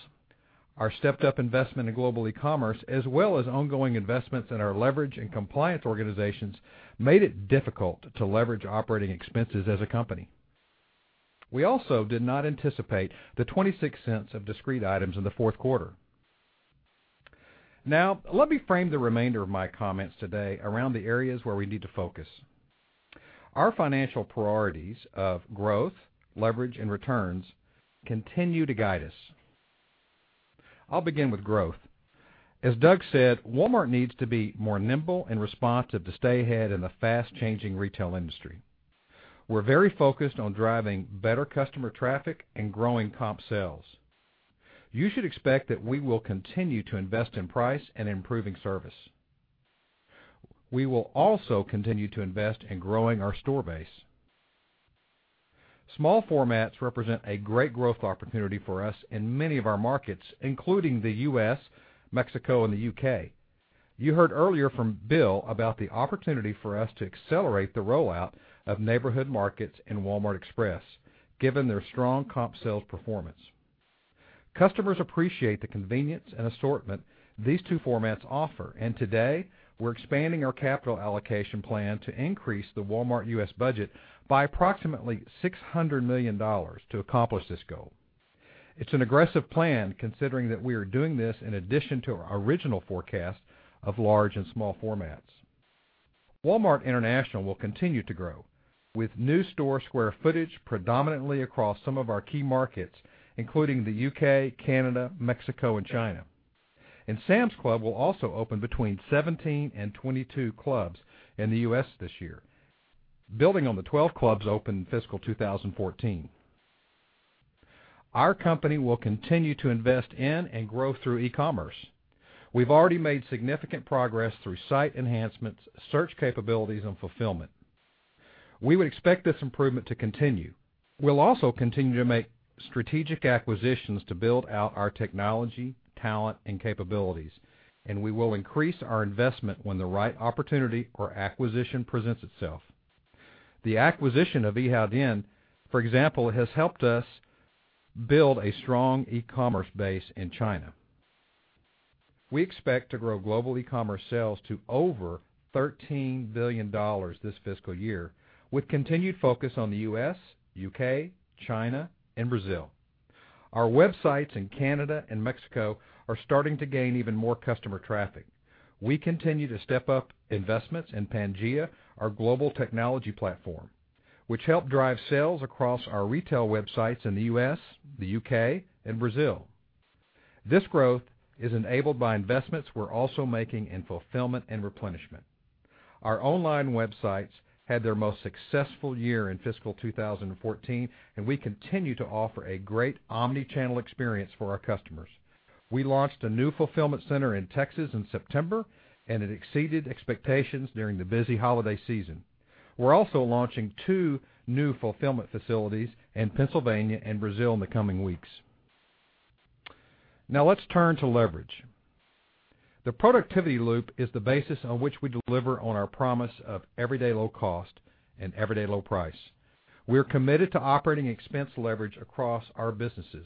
our stepped-up investment in global e-commerce, as well as ongoing investments in our leverage and compliance organizations, made it difficult to leverage operating expenses as a company. We also did not anticipate the $0.26 of discrete items in the fourth quarter. Let me frame the remainder of my comments today around the areas where we need to focus. Our financial priorities of growth, leverage, and returns continue to guide us. I'll begin with growth. As Doug said, Walmart needs to be more nimble and responsive to stay ahead in the fast-changing retail industry. We're very focused on driving better customer traffic and growing comp sales. You should expect that we will continue to invest in price and improving service. We will also continue to invest in growing our store base. Small formats represent a great growth opportunity for us in many of our markets, including the U.S., Mexico, and the U.K. You heard earlier from Bill about the opportunity for us to accelerate the rollout of Neighborhood Markets in Walmart Express, given their strong comp sales performance. Customers appreciate the convenience and assortment these two formats offer, today, we're expanding our capital allocation plan to increase the Walmart U.S. budget by approximately $600 million to accomplish this goal. It's an aggressive plan, considering that we are doing this in addition to our original forecast of large and small formats. Walmart International will continue to grow, with new store square footage predominantly across some of our key markets, including the U.K., Canada, Mexico, and China. Sam's Club will also open between 17 and 22 clubs in the U.S. this year, building on the 12 clubs opened in fiscal 2014. Our company will continue to invest in and grow through e-commerce. We've already made significant progress through site enhancements, search capabilities, and fulfillment. We would expect this improvement to continue. We'll also continue to make strategic acquisitions to build out our technology, talent, and capabilities, we will increase our investment when the right opportunity or acquisition presents itself. The acquisition of Yihaodian, for example, has helped us build a strong e-commerce base in China. We expect to grow global e-commerce sales to over $13 billion this fiscal year, with continued focus on the U.S., U.K., China, and Brazil. Our websites in Canada and Mexico are starting to gain even more customer traffic. We continue to step up investments in Pangaea, our global technology platform, which help drive sales across our retail websites in the U.S., the U.K., and Brazil. This growth is enabled by investments we're also making in fulfillment and replenishment. Our online websites had their most successful year in fiscal 2014, we continue to offer a great omni-channel experience for our customers. We launched a new fulfillment center in Texas in September, it exceeded expectations during the busy holiday season. We're also launching two new fulfillment facilities in Pennsylvania and Brazil in the coming weeks. Let's turn to leverage. The productivity loop is the basis on which we deliver on our promise of everyday low cost and everyday low price. We're committed to operating expense leverage across our businesses.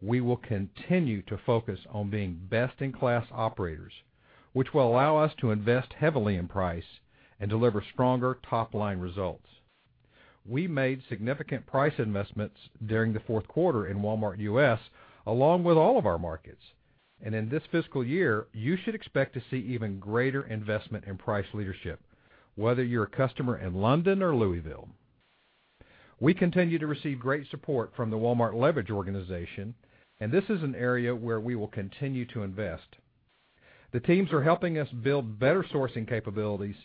We will continue to focus on being best-in-class operators, which will allow us to invest heavily in price and deliver stronger top-line results. We made significant price investments during the fourth quarter in Walmart U.S., along with all of our markets. In this fiscal year, you should expect to see even greater investment in price leadership, whether you're a customer in London or Louisville. We continue to receive great support from the Walmart Leverage organization, and this is an area where we will continue to invest. The teams are helping us build better sourcing capabilities,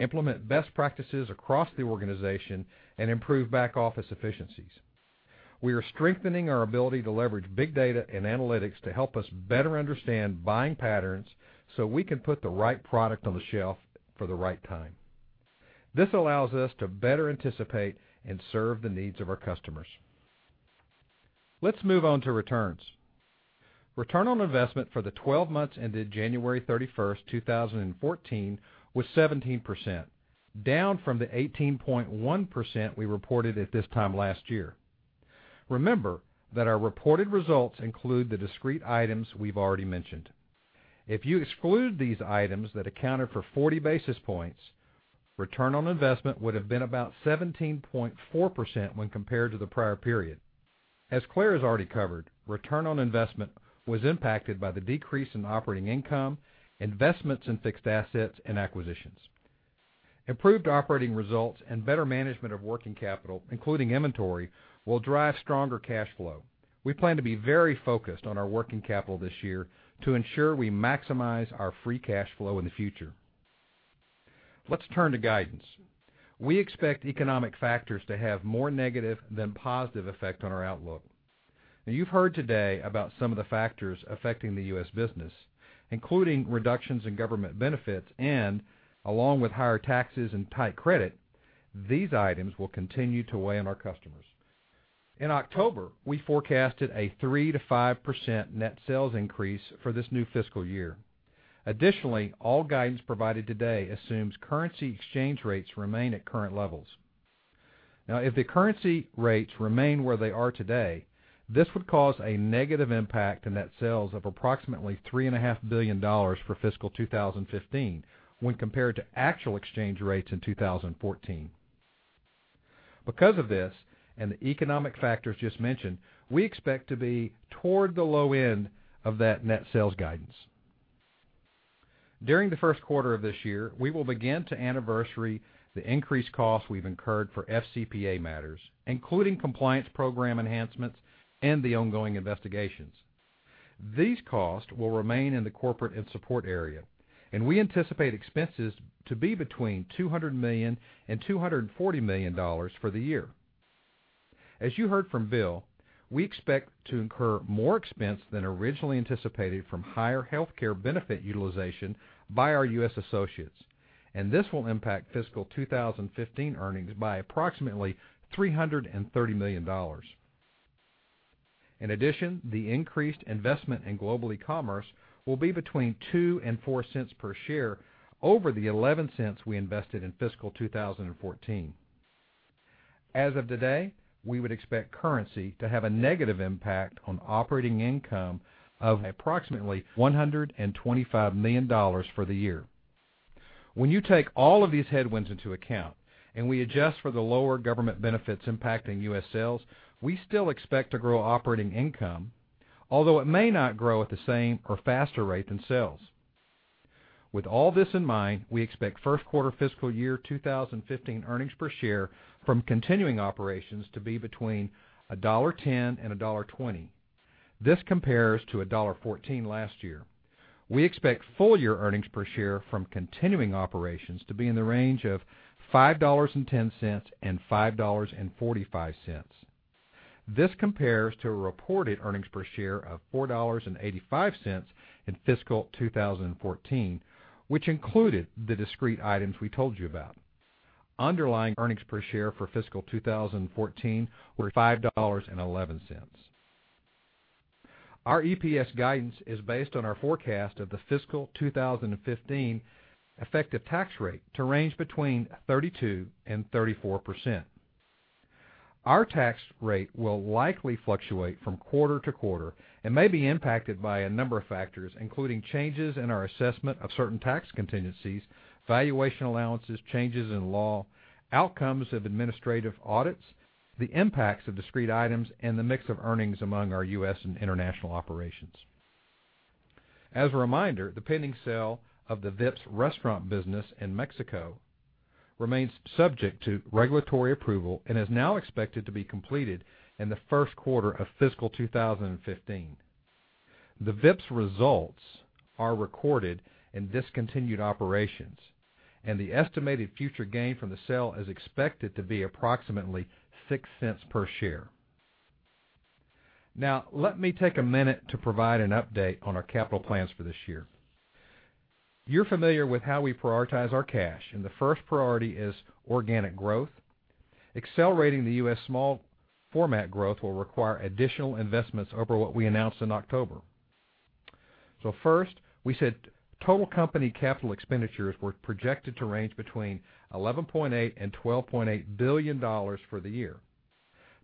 implement best practices across the organization, and improve back-office efficiencies. We are strengthening our ability to leverage big data and analytics to help us better understand buying patterns so we can put the right product on the shelf for the right time. This allows us to better anticipate and serve the needs of our customers. Let's move on to returns. Return on investment for the 12 months ended January 31st, 2014, was 17%, down from the 18.1% we reported at this time last year. Remember that our reported results include the discrete items we've already mentioned. If you exclude these items that accounted for 40 basis points, return on investment would have been about 17.4% when compared to the prior period. As Claire has already covered, return on investment was impacted by the decrease in operating income, investments in fixed assets, and acquisitions. Improved operating results and better management of working capital, including inventory, will drive stronger cash flow. We plan to be very focused on our working capital this year to ensure we maximize our free cash flow in the future. Let's turn to guidance. We expect economic factors to have more negative than positive effect on our outlook. You've heard today about some of the factors affecting the U.S. business, including reductions in government benefits and along with higher taxes and tight credit, these items will continue to weigh on our customers. In October, we forecasted a 3%-5% net sales increase for this new fiscal year. Additionally, all guidance provided today assumes currency exchange rates remain at current levels. If the currency rates remain where they are today, this would cause a negative impact in net sales of approximately $3.5 billion for fiscal 2015 when compared to actual exchange rates in 2014. Because of this and the economic factors just mentioned, we expect to be toward the low end of that net sales guidance. During the first quarter of this year, we will begin to anniversary the increased costs we've incurred for FCPA matters, including compliance program enhancements and the ongoing investigations. These costs will remain in the corporate and support area, and we anticipate expenses to be between $200 million and $240 million for the year. As you heard from Bill, we expect to incur more expense than originally anticipated from higher healthcare benefit utilization by our U.S. associates, and this will impact fiscal 2015 earnings by approximately $330 million. In addition, the increased investment in global e-commerce will be between $0.02 and $0.04 per share over the $0.11 we invested in fiscal 2014. As of today, we would expect currency to have a negative impact on operating income of approximately $125 million for the year. When you take all of these headwinds into account and we adjust for the lower government benefits impacting U.S. sales, we still expect to grow operating income, although it may not grow at the same or faster rate than sales. With all this in mind, we expect first quarter fiscal year 2015 earnings per share from continuing operations to be between $1.10 and $1.20. This compares to $1.14 last year. We expect full-year earnings per share from continuing operations to be in the range of $5.10 and $5.45. This compares to a reported earnings per share of $4.85 in fiscal 2014, which included the discrete items we told you about. Underlying earnings per share for fiscal 2014 were $5.11. Our EPS guidance is based on our forecast of the fiscal 2015 effective tax rate to range between 32% and 34%. Our tax rate will likely fluctuate from quarter to quarter and may be impacted by a number of factors, including changes in our assessment of certain tax contingencies, valuation allowances, changes in law, outcomes of administrative audits, the impacts of discrete items, and the mix of earnings among our U.S. and international operations. As a reminder, the pending sale of the Vips restaurant business in Mexico remains subject to regulatory approval and is now expected to be completed in the first quarter of fiscal 2015. The Vips results are recorded in discontinued operations, the estimated future gain from the sale is expected to be approximately $0.06 per share. Let me take a minute to provide an update on our capital plans for this year. You're familiar with how we prioritize our cash, the first priority is organic growth. Accelerating the U.S. small format growth will require additional investments over what we announced in October. First, we said total company capital expenditures were projected to range between $11.8 billion and $12.8 billion for the year.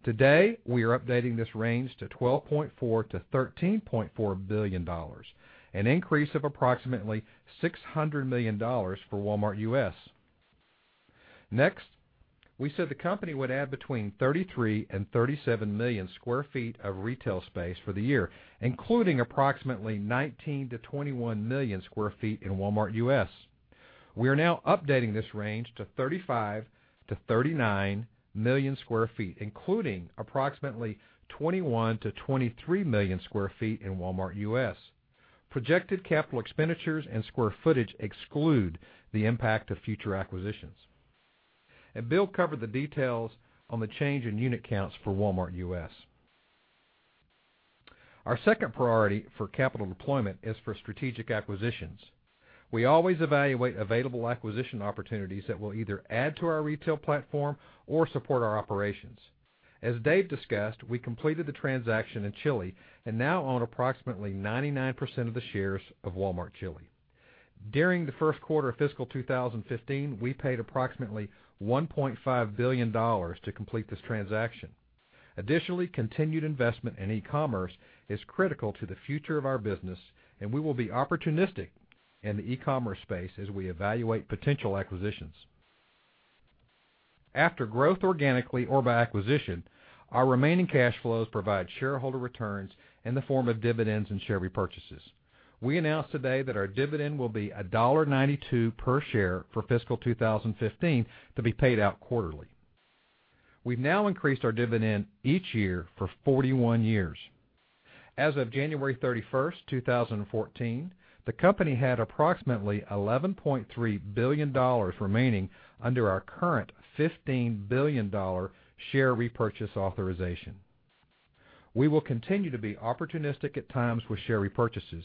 Today, we are updating this range to $12.4 billion to $13.4 billion, an increase of approximately $600 million for Walmart U.S. Next, we said the company would add between 33 million and 37 million square feet of retail space for the year, including approximately 19 million to 21 million square feet in Walmart U.S. We are now updating this range to 35 million to 39 million square feet, including approximately 21 million to 23 million square feet in Walmart U.S. Projected capital expenditures and square footage exclude the impact of future acquisitions. Bill covered the details on the change in unit counts for Walmart U.S. Our second priority for capital deployment is for strategic acquisitions. We always evaluate available acquisition opportunities that will either add to our retail platform or support our operations. As Dave discussed, we completed the transaction in Chile and now own approximately 99% of the shares of Walmart Chile. During the first quarter of fiscal 2015, we paid approximately $1.5 billion to complete this transaction. Additionally, continued investment in e-commerce is critical to the future of our business and we will be opportunistic in the e-commerce space as we evaluate potential acquisitions. After growth organically or by acquisition, our remaining cash flows provide shareholder returns in the form of dividends and share repurchases. We announced today that our dividend will be $1.92 per share for fiscal 2015 to be paid out quarterly. We've now increased our dividend each year for 41 years. As of January 31st, 2014, the company had approximately $11.3 billion remaining under our current $15 billion share repurchase authorization. We will continue to be opportunistic at times with share repurchases.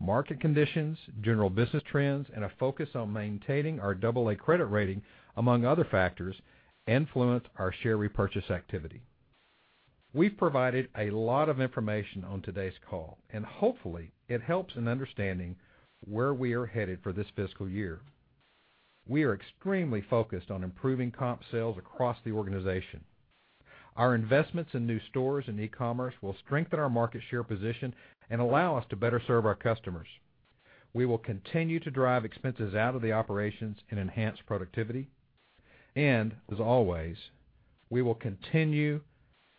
Market conditions, general business trends, and a focus on maintaining our double A credit rating, among other factors, influence our share repurchase activity. We've provided a lot of information on today's call and hopefully it helps in understanding where we are headed for this fiscal year. We are extremely focused on improving comp sales across the organization. Our investments in new stores and e-commerce will strengthen our market share position and allow us to better serve our customers. We will continue to drive expenses out of the operations and enhance productivity. As always, we will continue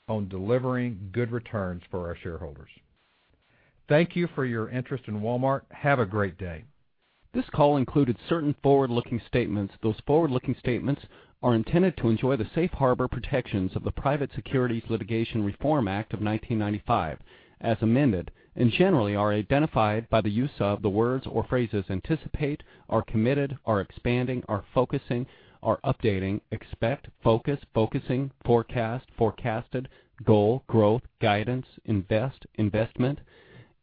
on delivering good returns for our shareholders. Thank you for your interest in Walmart. Have a great day.
This call included certain forward-looking statements. Those forward-looking statements are intended to enjoy the safe harbor protections of the Private Securities Litigation Reform Act of 1995, as amended, and generally are identified by the use of the words or phrases anticipate, are committed, are expanding, are focusing, are updating, expect, focus, focusing, forecast, forecasted, goal, growth, guidance, invest, investment,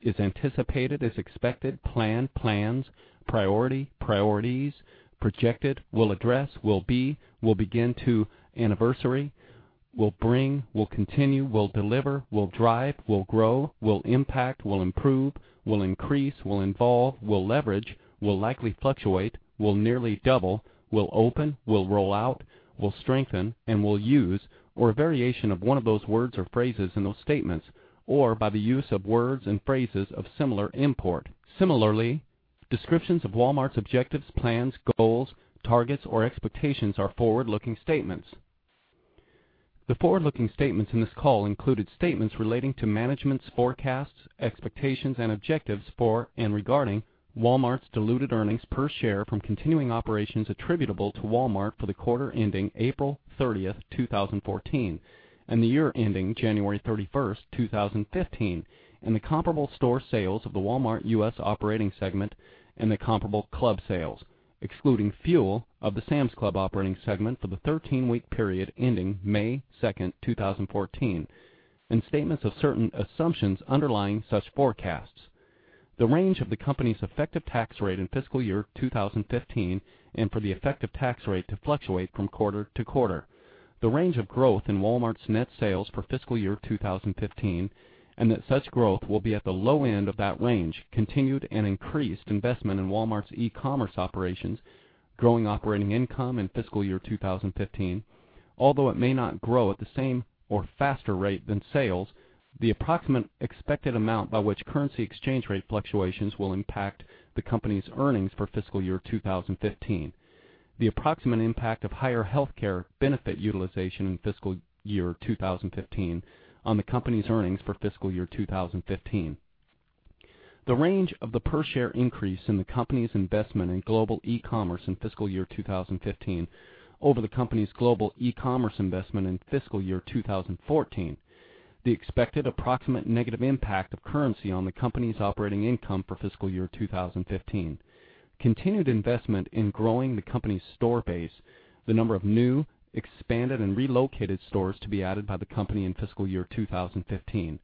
is anticipated, is expected, plan, plans, priority, priorities, projected, will address, will be, will begin to, anniversary, will bring, will continue, will deliver, will drive, will grow, will impact, will improve, will increase, will involve, will leverage, will likely fluctuate, will nearly double, will open, will roll out, will strengthen, and will use, or a variation of one of those words or phrases in those statements, or by the use of words and phrases of similar import. Similarly, descriptions of Walmart's objectives, plans, goals, targets, or expectations are forward-looking statements. The forward-looking statements in this call included statements relating to management's forecasts, expectations, and objectives for and regarding Walmart's diluted earnings per share from continuing operations attributable to Walmart for the quarter ending April 30th, 2014, and the year ending January 31st, 2015, and the comparable store sales of the Walmart U.S. operating segment and the comparable club sales, excluding fuel of the Sam's Club operating segment for the 13-week period ending May 2nd, 2014, and statements of certain assumptions underlying such forecasts. The range of the company's effective tax rate in fiscal year 2015 and for the effective tax rate to fluctuate from quarter to quarter. The range of growth in Walmart's net sales for fiscal year 2015, and that such growth will be at the low end of that range. Continued and increased investment in Walmart's e-commerce operations. Growing operating income in fiscal year 2015, although it may not grow at the same or faster rate than sales. The approximate expected amount by which currency exchange rate fluctuations will impact the company's earnings for fiscal year 2015. The approximate impact of higher healthcare benefit utilization in fiscal year 2015 on the company's earnings for fiscal year 2015. The range of the per share increase in the company's investment in global e-commerce in fiscal year 2015 over the company's global e-commerce investment in fiscal year 2014. The expected approximate negative impact of currency on the company's operating income for fiscal year 2015. Continued investment in growing the company's store base. The number of new, expanded, and relocated stores to be added by the company in fiscal year 2015.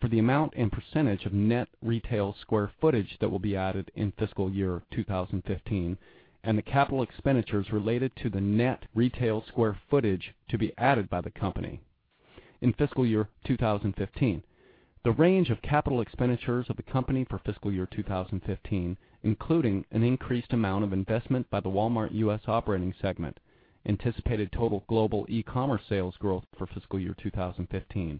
For the amount and percentage of net retail square footage that will be added in fiscal year 2015, and the capital expenditures related to the net retail square footage to be added by the company in fiscal year 2015. The range of capital expenditures of the company for fiscal year 2015, including an increased amount of investment by the Walmart U.S. operating segment. Anticipated total global e-commerce sales growth for fiscal year 2015.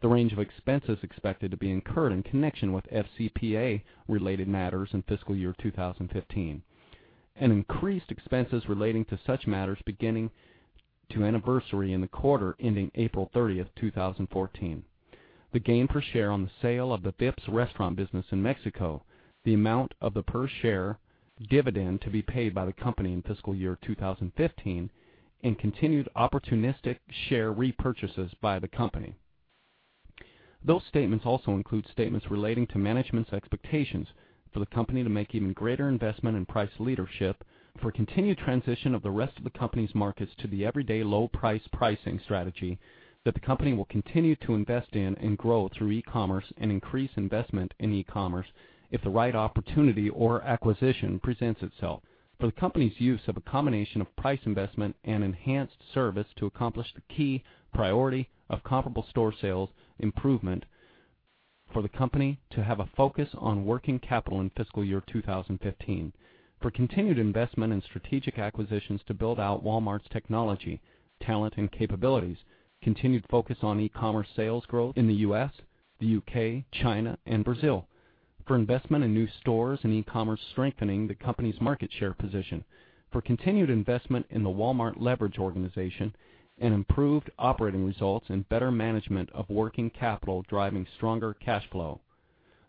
The range of expenses expected to be incurred in connection with FCPA related matters in fiscal year 2015 and increased expenses relating to such matters beginning to anniversary in the quarter ending April 30, 2014. The gain per share on the sale of the Vips restaurant business in Mexico. The amount of the per share dividend to be paid by the company in fiscal year 2015 and continued opportunistic share repurchases by the company. Those statements also include statements relating to management's expectations for the company to make even greater investment in price leadership. For continued transition of the rest of the company's markets to the Everyday Low Price pricing strategy that the company will continue to invest in and grow through e-commerce and increase investment in e-commerce if the right opportunity or acquisition presents itself. For the company's use of a combination of price investment and enhanced service to accomplish the key priority of comparable store sales improvement. For the company to have a focus on working capital in fiscal year 2015. For continued investment in strategic acquisitions to build out Walmart's technology, talent, and capabilities. Continued focus on e-commerce sales growth in the U.S., the U.K., China, and Brazil. For investment in new stores and e-commerce strengthening the company's market share position. For continued investment in the Walmart Leverage organization and improved operating results and better management of working capital driving stronger cash flow.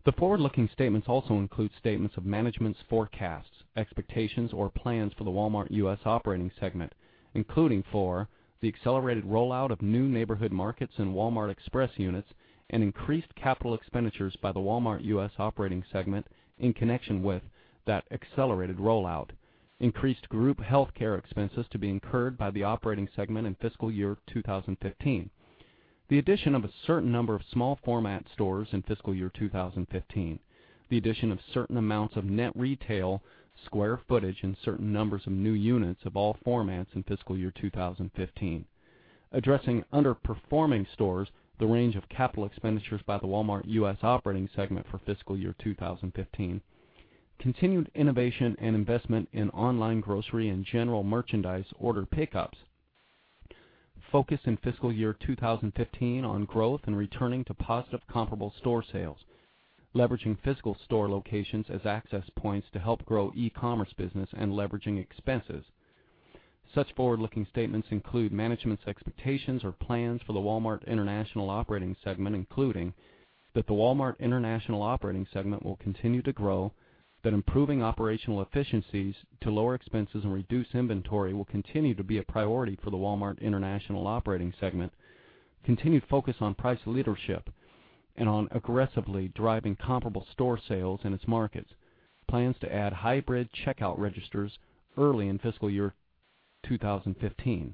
The forward-looking statements also include statements of management's forecasts, expectations, or plans for the Walmart U.S. operating segment, including for the accelerated rollout of new Walmart Neighborhood Market and Walmart Express units and increased capital expenditures by the Walmart U.S. operating segment in connection with that accelerated rollout. Increased group healthcare expenses to be incurred by the operating segment in fiscal year 2015. The addition of a certain number of small format stores in fiscal year 2015. The addition of certain amounts of net retail square footage and certain numbers of new units of all formats in fiscal year 2015. Addressing underperforming stores. The range of capital expenditures by the Walmart U.S. operating segment for fiscal year 2015. Continued innovation and investment in online grocery and general merchandise order pickups. Focus in fiscal year 2015 on growth and returning to positive comparable store sales. Leveraging physical store locations as access points to help grow e-commerce business and leveraging expenses. Such forward-looking statements include management's expectations or plans for the Walmart International operating segment, including that the Walmart International operating segment will continue to grow. That improving operational efficiencies to lower expenses and reduce inventory will continue to be a priority for the Walmart International operating segment. Continued focus on price leadership and on aggressively driving comparable store sales in its markets. Plans to add hybrid checkout registers early in fiscal year 2015 and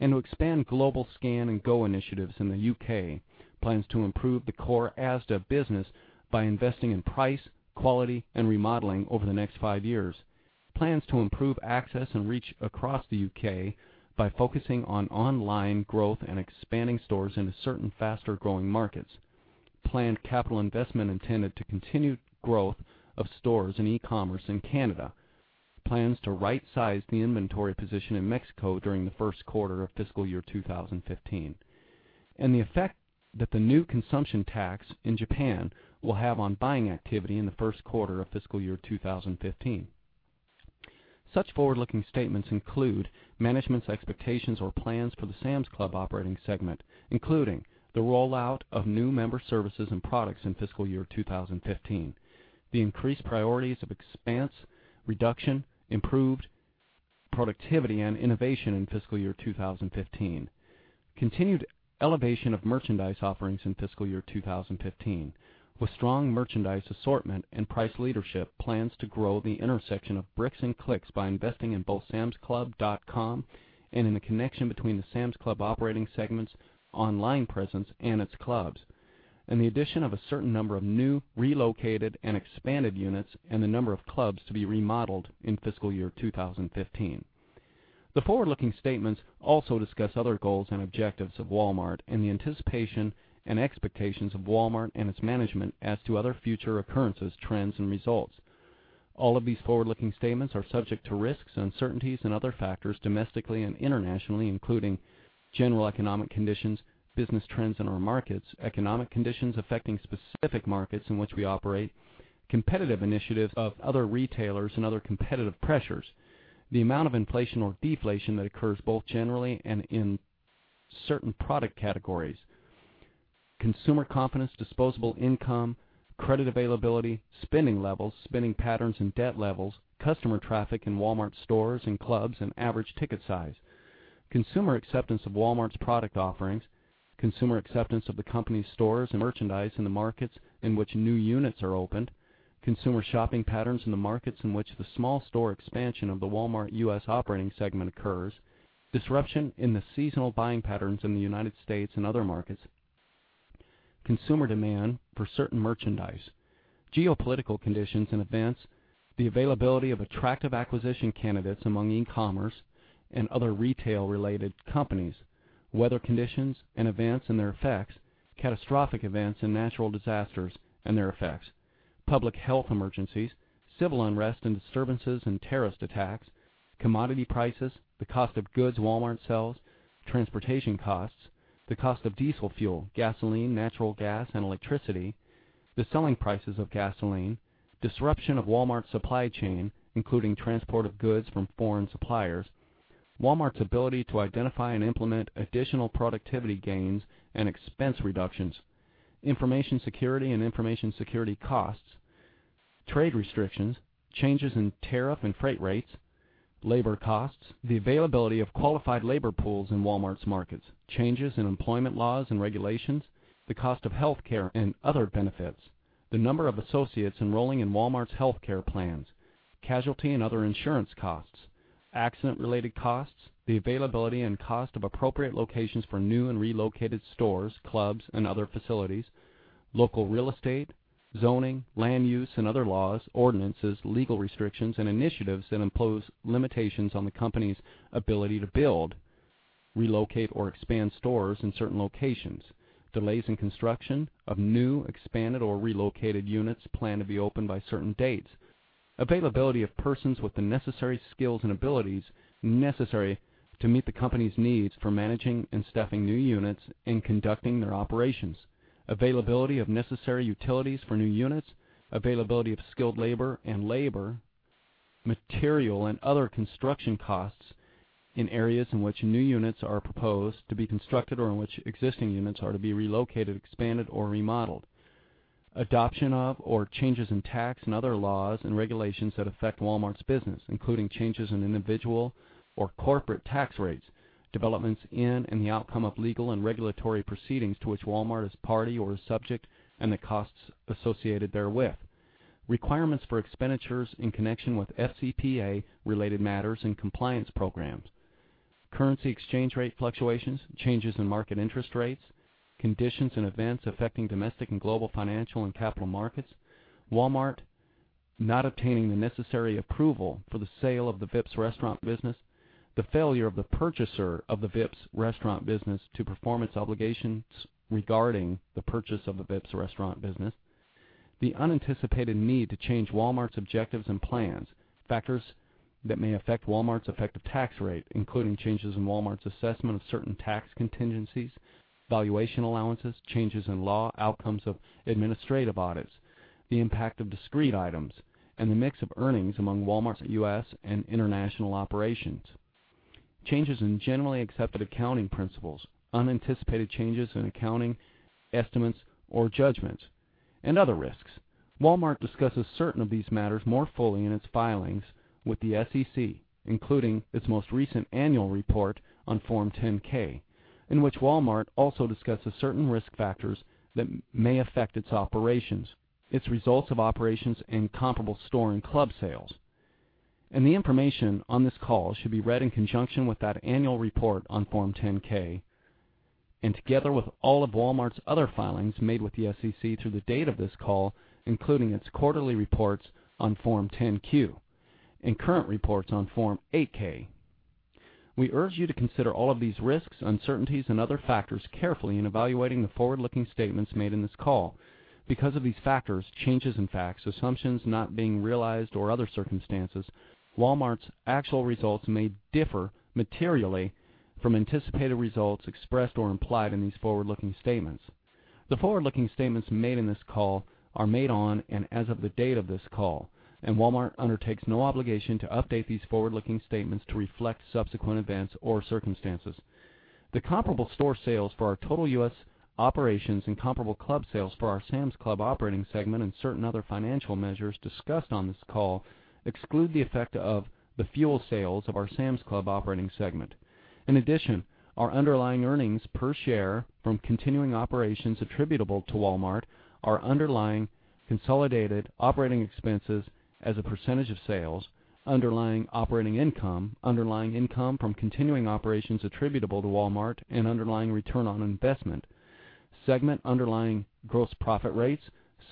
to expand global Scan & Go initiatives in the U.K. Plans to improve the core Asda business by investing in price, quality, and remodeling over the next five years. Plans to improve access and reach across the U.K. by focusing on online growth and expanding stores into certain faster-growing markets. Planned capital investment intended to continue growth of stores and e-commerce in Canada. Plans to right-size the inventory position in Mexico during the first quarter of fiscal year 2015. The effect that the new consumption tax in Japan will have on buying activity in the first quarter of fiscal year 2015. Such forward-looking statements include management's expectations or plans for the Sam's Club operating segment, including the rollout of new member services and products in fiscal year 2015. The increased priorities of expense reduction, improved productivity, and innovation in fiscal year 2015. Continued elevation of merchandise offerings in fiscal year 2015 with strong merchandise assortment and price leadership. Plans to grow the intersection of bricks and clicks by investing in both samsclub.com and in the connection between the Sam's Club operating segment's online presence and its clubs. The addition of a certain number of new, relocated, and expanded units, and the number of clubs to be remodeled in fiscal year 2015. The forward-looking statements also discuss other goals and objectives of Walmart and the anticipation and expectations of Walmart and its management as to other future occurrences, trends, and results. All of these forward-looking statements are subject to risks, uncertainties, and other factors domestically and internationally, including general economic conditions, business trends in our markets, economic conditions affecting specific markets in which we operate, competitive initiatives of other retailers and other competitive pressures, the amount of inflation or deflation that occurs both generally and in certain product categories, consumer confidence, disposable income, credit availability, spending levels, spending patterns and debt levels, customer traffic in Walmart stores and clubs, and average ticket size, consumer acceptance of Walmart's product offerings, consumer acceptance of the company's stores and merchandise in the markets in which new units are opened, consumer shopping patterns in the markets in which the small store expansion of the Walmart U.S. operating segment occurs, disruption in the seasonal buying patterns in the United States and other markets. Consumer demand for certain merchandise, geopolitical conditions and events, the availability of attractive acquisition candidates among e-commerce and other retail-related companies, weather conditions and events and their effects, catastrophic events and natural disasters and their effects, public health emergencies, civil unrest and disturbances and terrorist attacks, commodity prices, the cost of goods Walmart sells, transportation costs, the cost of diesel fuel, gasoline, natural gas, and electricity, the selling prices of gasoline, disruption of Walmart's supply chain, including transport of goods from foreign suppliers, Walmart's ability to identify and implement additional productivity gains and expense reductions, information security and information security costs, trade restrictions, changes in tariff and freight rates, labor costs, the availability of qualified labor pools in Walmart's markets. Changes in employment laws and regulations, the cost of healthcare and other benefits, the number of associates enrolling in Walmart's healthcare plans, casualty and other insurance costs, accident-related costs, the availability and cost of appropriate locations for new and relocated stores, clubs and other facilities, local real estate, zoning, land use and other laws, ordinances, legal restrictions and initiatives that impose limitations on the company's ability to build, relocate, or expand stores in certain locations, delays in construction of new, expanded or relocated units planned to be opened by certain dates, availability of persons with the necessary skills and abilities necessary to meet the company's needs for managing and staffing new units and conducting their operations, availability of necessary utilities for new units, availability of skilled labor and labor, material and other construction costs in areas in which new units are proposed to be constructed or in which existing units are to be relocated, expanded or remodeled, Adoption of or changes in tax and other laws and regulations that affect Walmart's business, including changes in individual or corporate tax rates, developments in and the outcome of legal and regulatory proceedings to which Walmart is party or is subject and the costs associated therewith, requirements for expenditures in connection with FCPA related matters and compliance programs, currency exchange rate fluctuations, changes in market interest rates, conditions and events affecting domestic and global financial and capital markets, Walmart not obtaining the necessary approval for the sale of the Vips restaurant business, the failure of the purchaser of the Vips restaurant business to perform its obligations regarding the purchase of the Vips restaurant business, the unanticipated need to change Walmart's objectives and plans, factors that may affect Walmart's effective tax rate, including changes in Walmart's assessment of certain tax contingencies, valuation allowances, changes in law, outcomes of administrative audits, the impact of discrete items, and the mix of earnings among Walmart's U.S. and international operations, changes in generally accepted accounting principles, unanticipated changes in accounting estimates or judgments, and other risks. Walmart discusses certain of these matters more fully in its filings with the SEC, including its most recent annual report on Form 10-K, in which Walmart also discusses certain risk factors that may affect its operations, its results of operations in comparable store and club sales. The information on this call should be read in conjunction with that annual report on Form 10-K, and together with all of Walmart's other filings made with the SEC through the date of this call, including its quarterly reports on Form 10-Q and current reports on Form 8-K. We urge you to consider all of these risks, uncertainties, and other factors carefully in evaluating the forward-looking statements made in this call. Because of these factors, changes in facts, assumptions not being realized or other circumstances, Walmart's actual results may differ materially from anticipated results expressed or implied in these forward-looking statements. The forward-looking statements made in this call are made on and as of the date of this call. Walmart undertakes no obligation to update these forward-looking statements to reflect subsequent events or circumstances. The comparable store sales for our total U.S. operations and comparable club sales for our Sam's Club operating segment and certain other financial measures discussed on this call exclude the effect of the fuel sales of our Sam's Club operating segment. In addition, our underlying earnings per share from continuing operations attributable to Walmart, our underlying consolidated operating expenses as a percentage of sales, underlying operating income, underlying income from continuing operations attributable to Walmart, and underlying return on investment, segment underlying gross profit rates,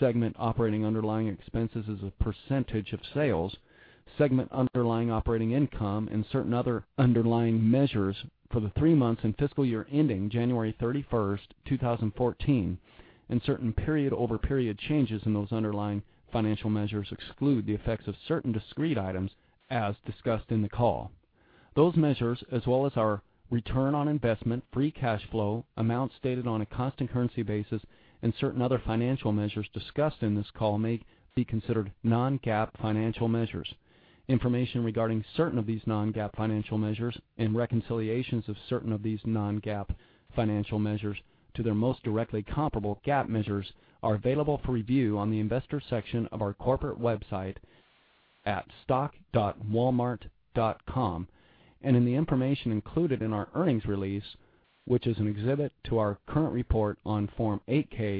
segment operating underlying expenses as a percentage of sales, segment underlying operating income, and certain other underlying measures for the three months and fiscal year ending January 31st, 2014, and certain period over period changes in those underlying financial measures exclude the effects of certain discrete items as discussed in the call. Those measures, as well as our return on investment, free cash flow, amounts stated on a constant currency basis, and certain other financial measures discussed in this call may be considered non-GAAP financial measures. Information regarding certain of these non-GAAP financial measures and reconciliations of certain of these non-GAAP financial measures to their most directly comparable GAAP measures are available for review on the investor section of our corporate website at stock.walmart.com and in the information included in our earnings release, which is an exhibit to our current report on Form 8-K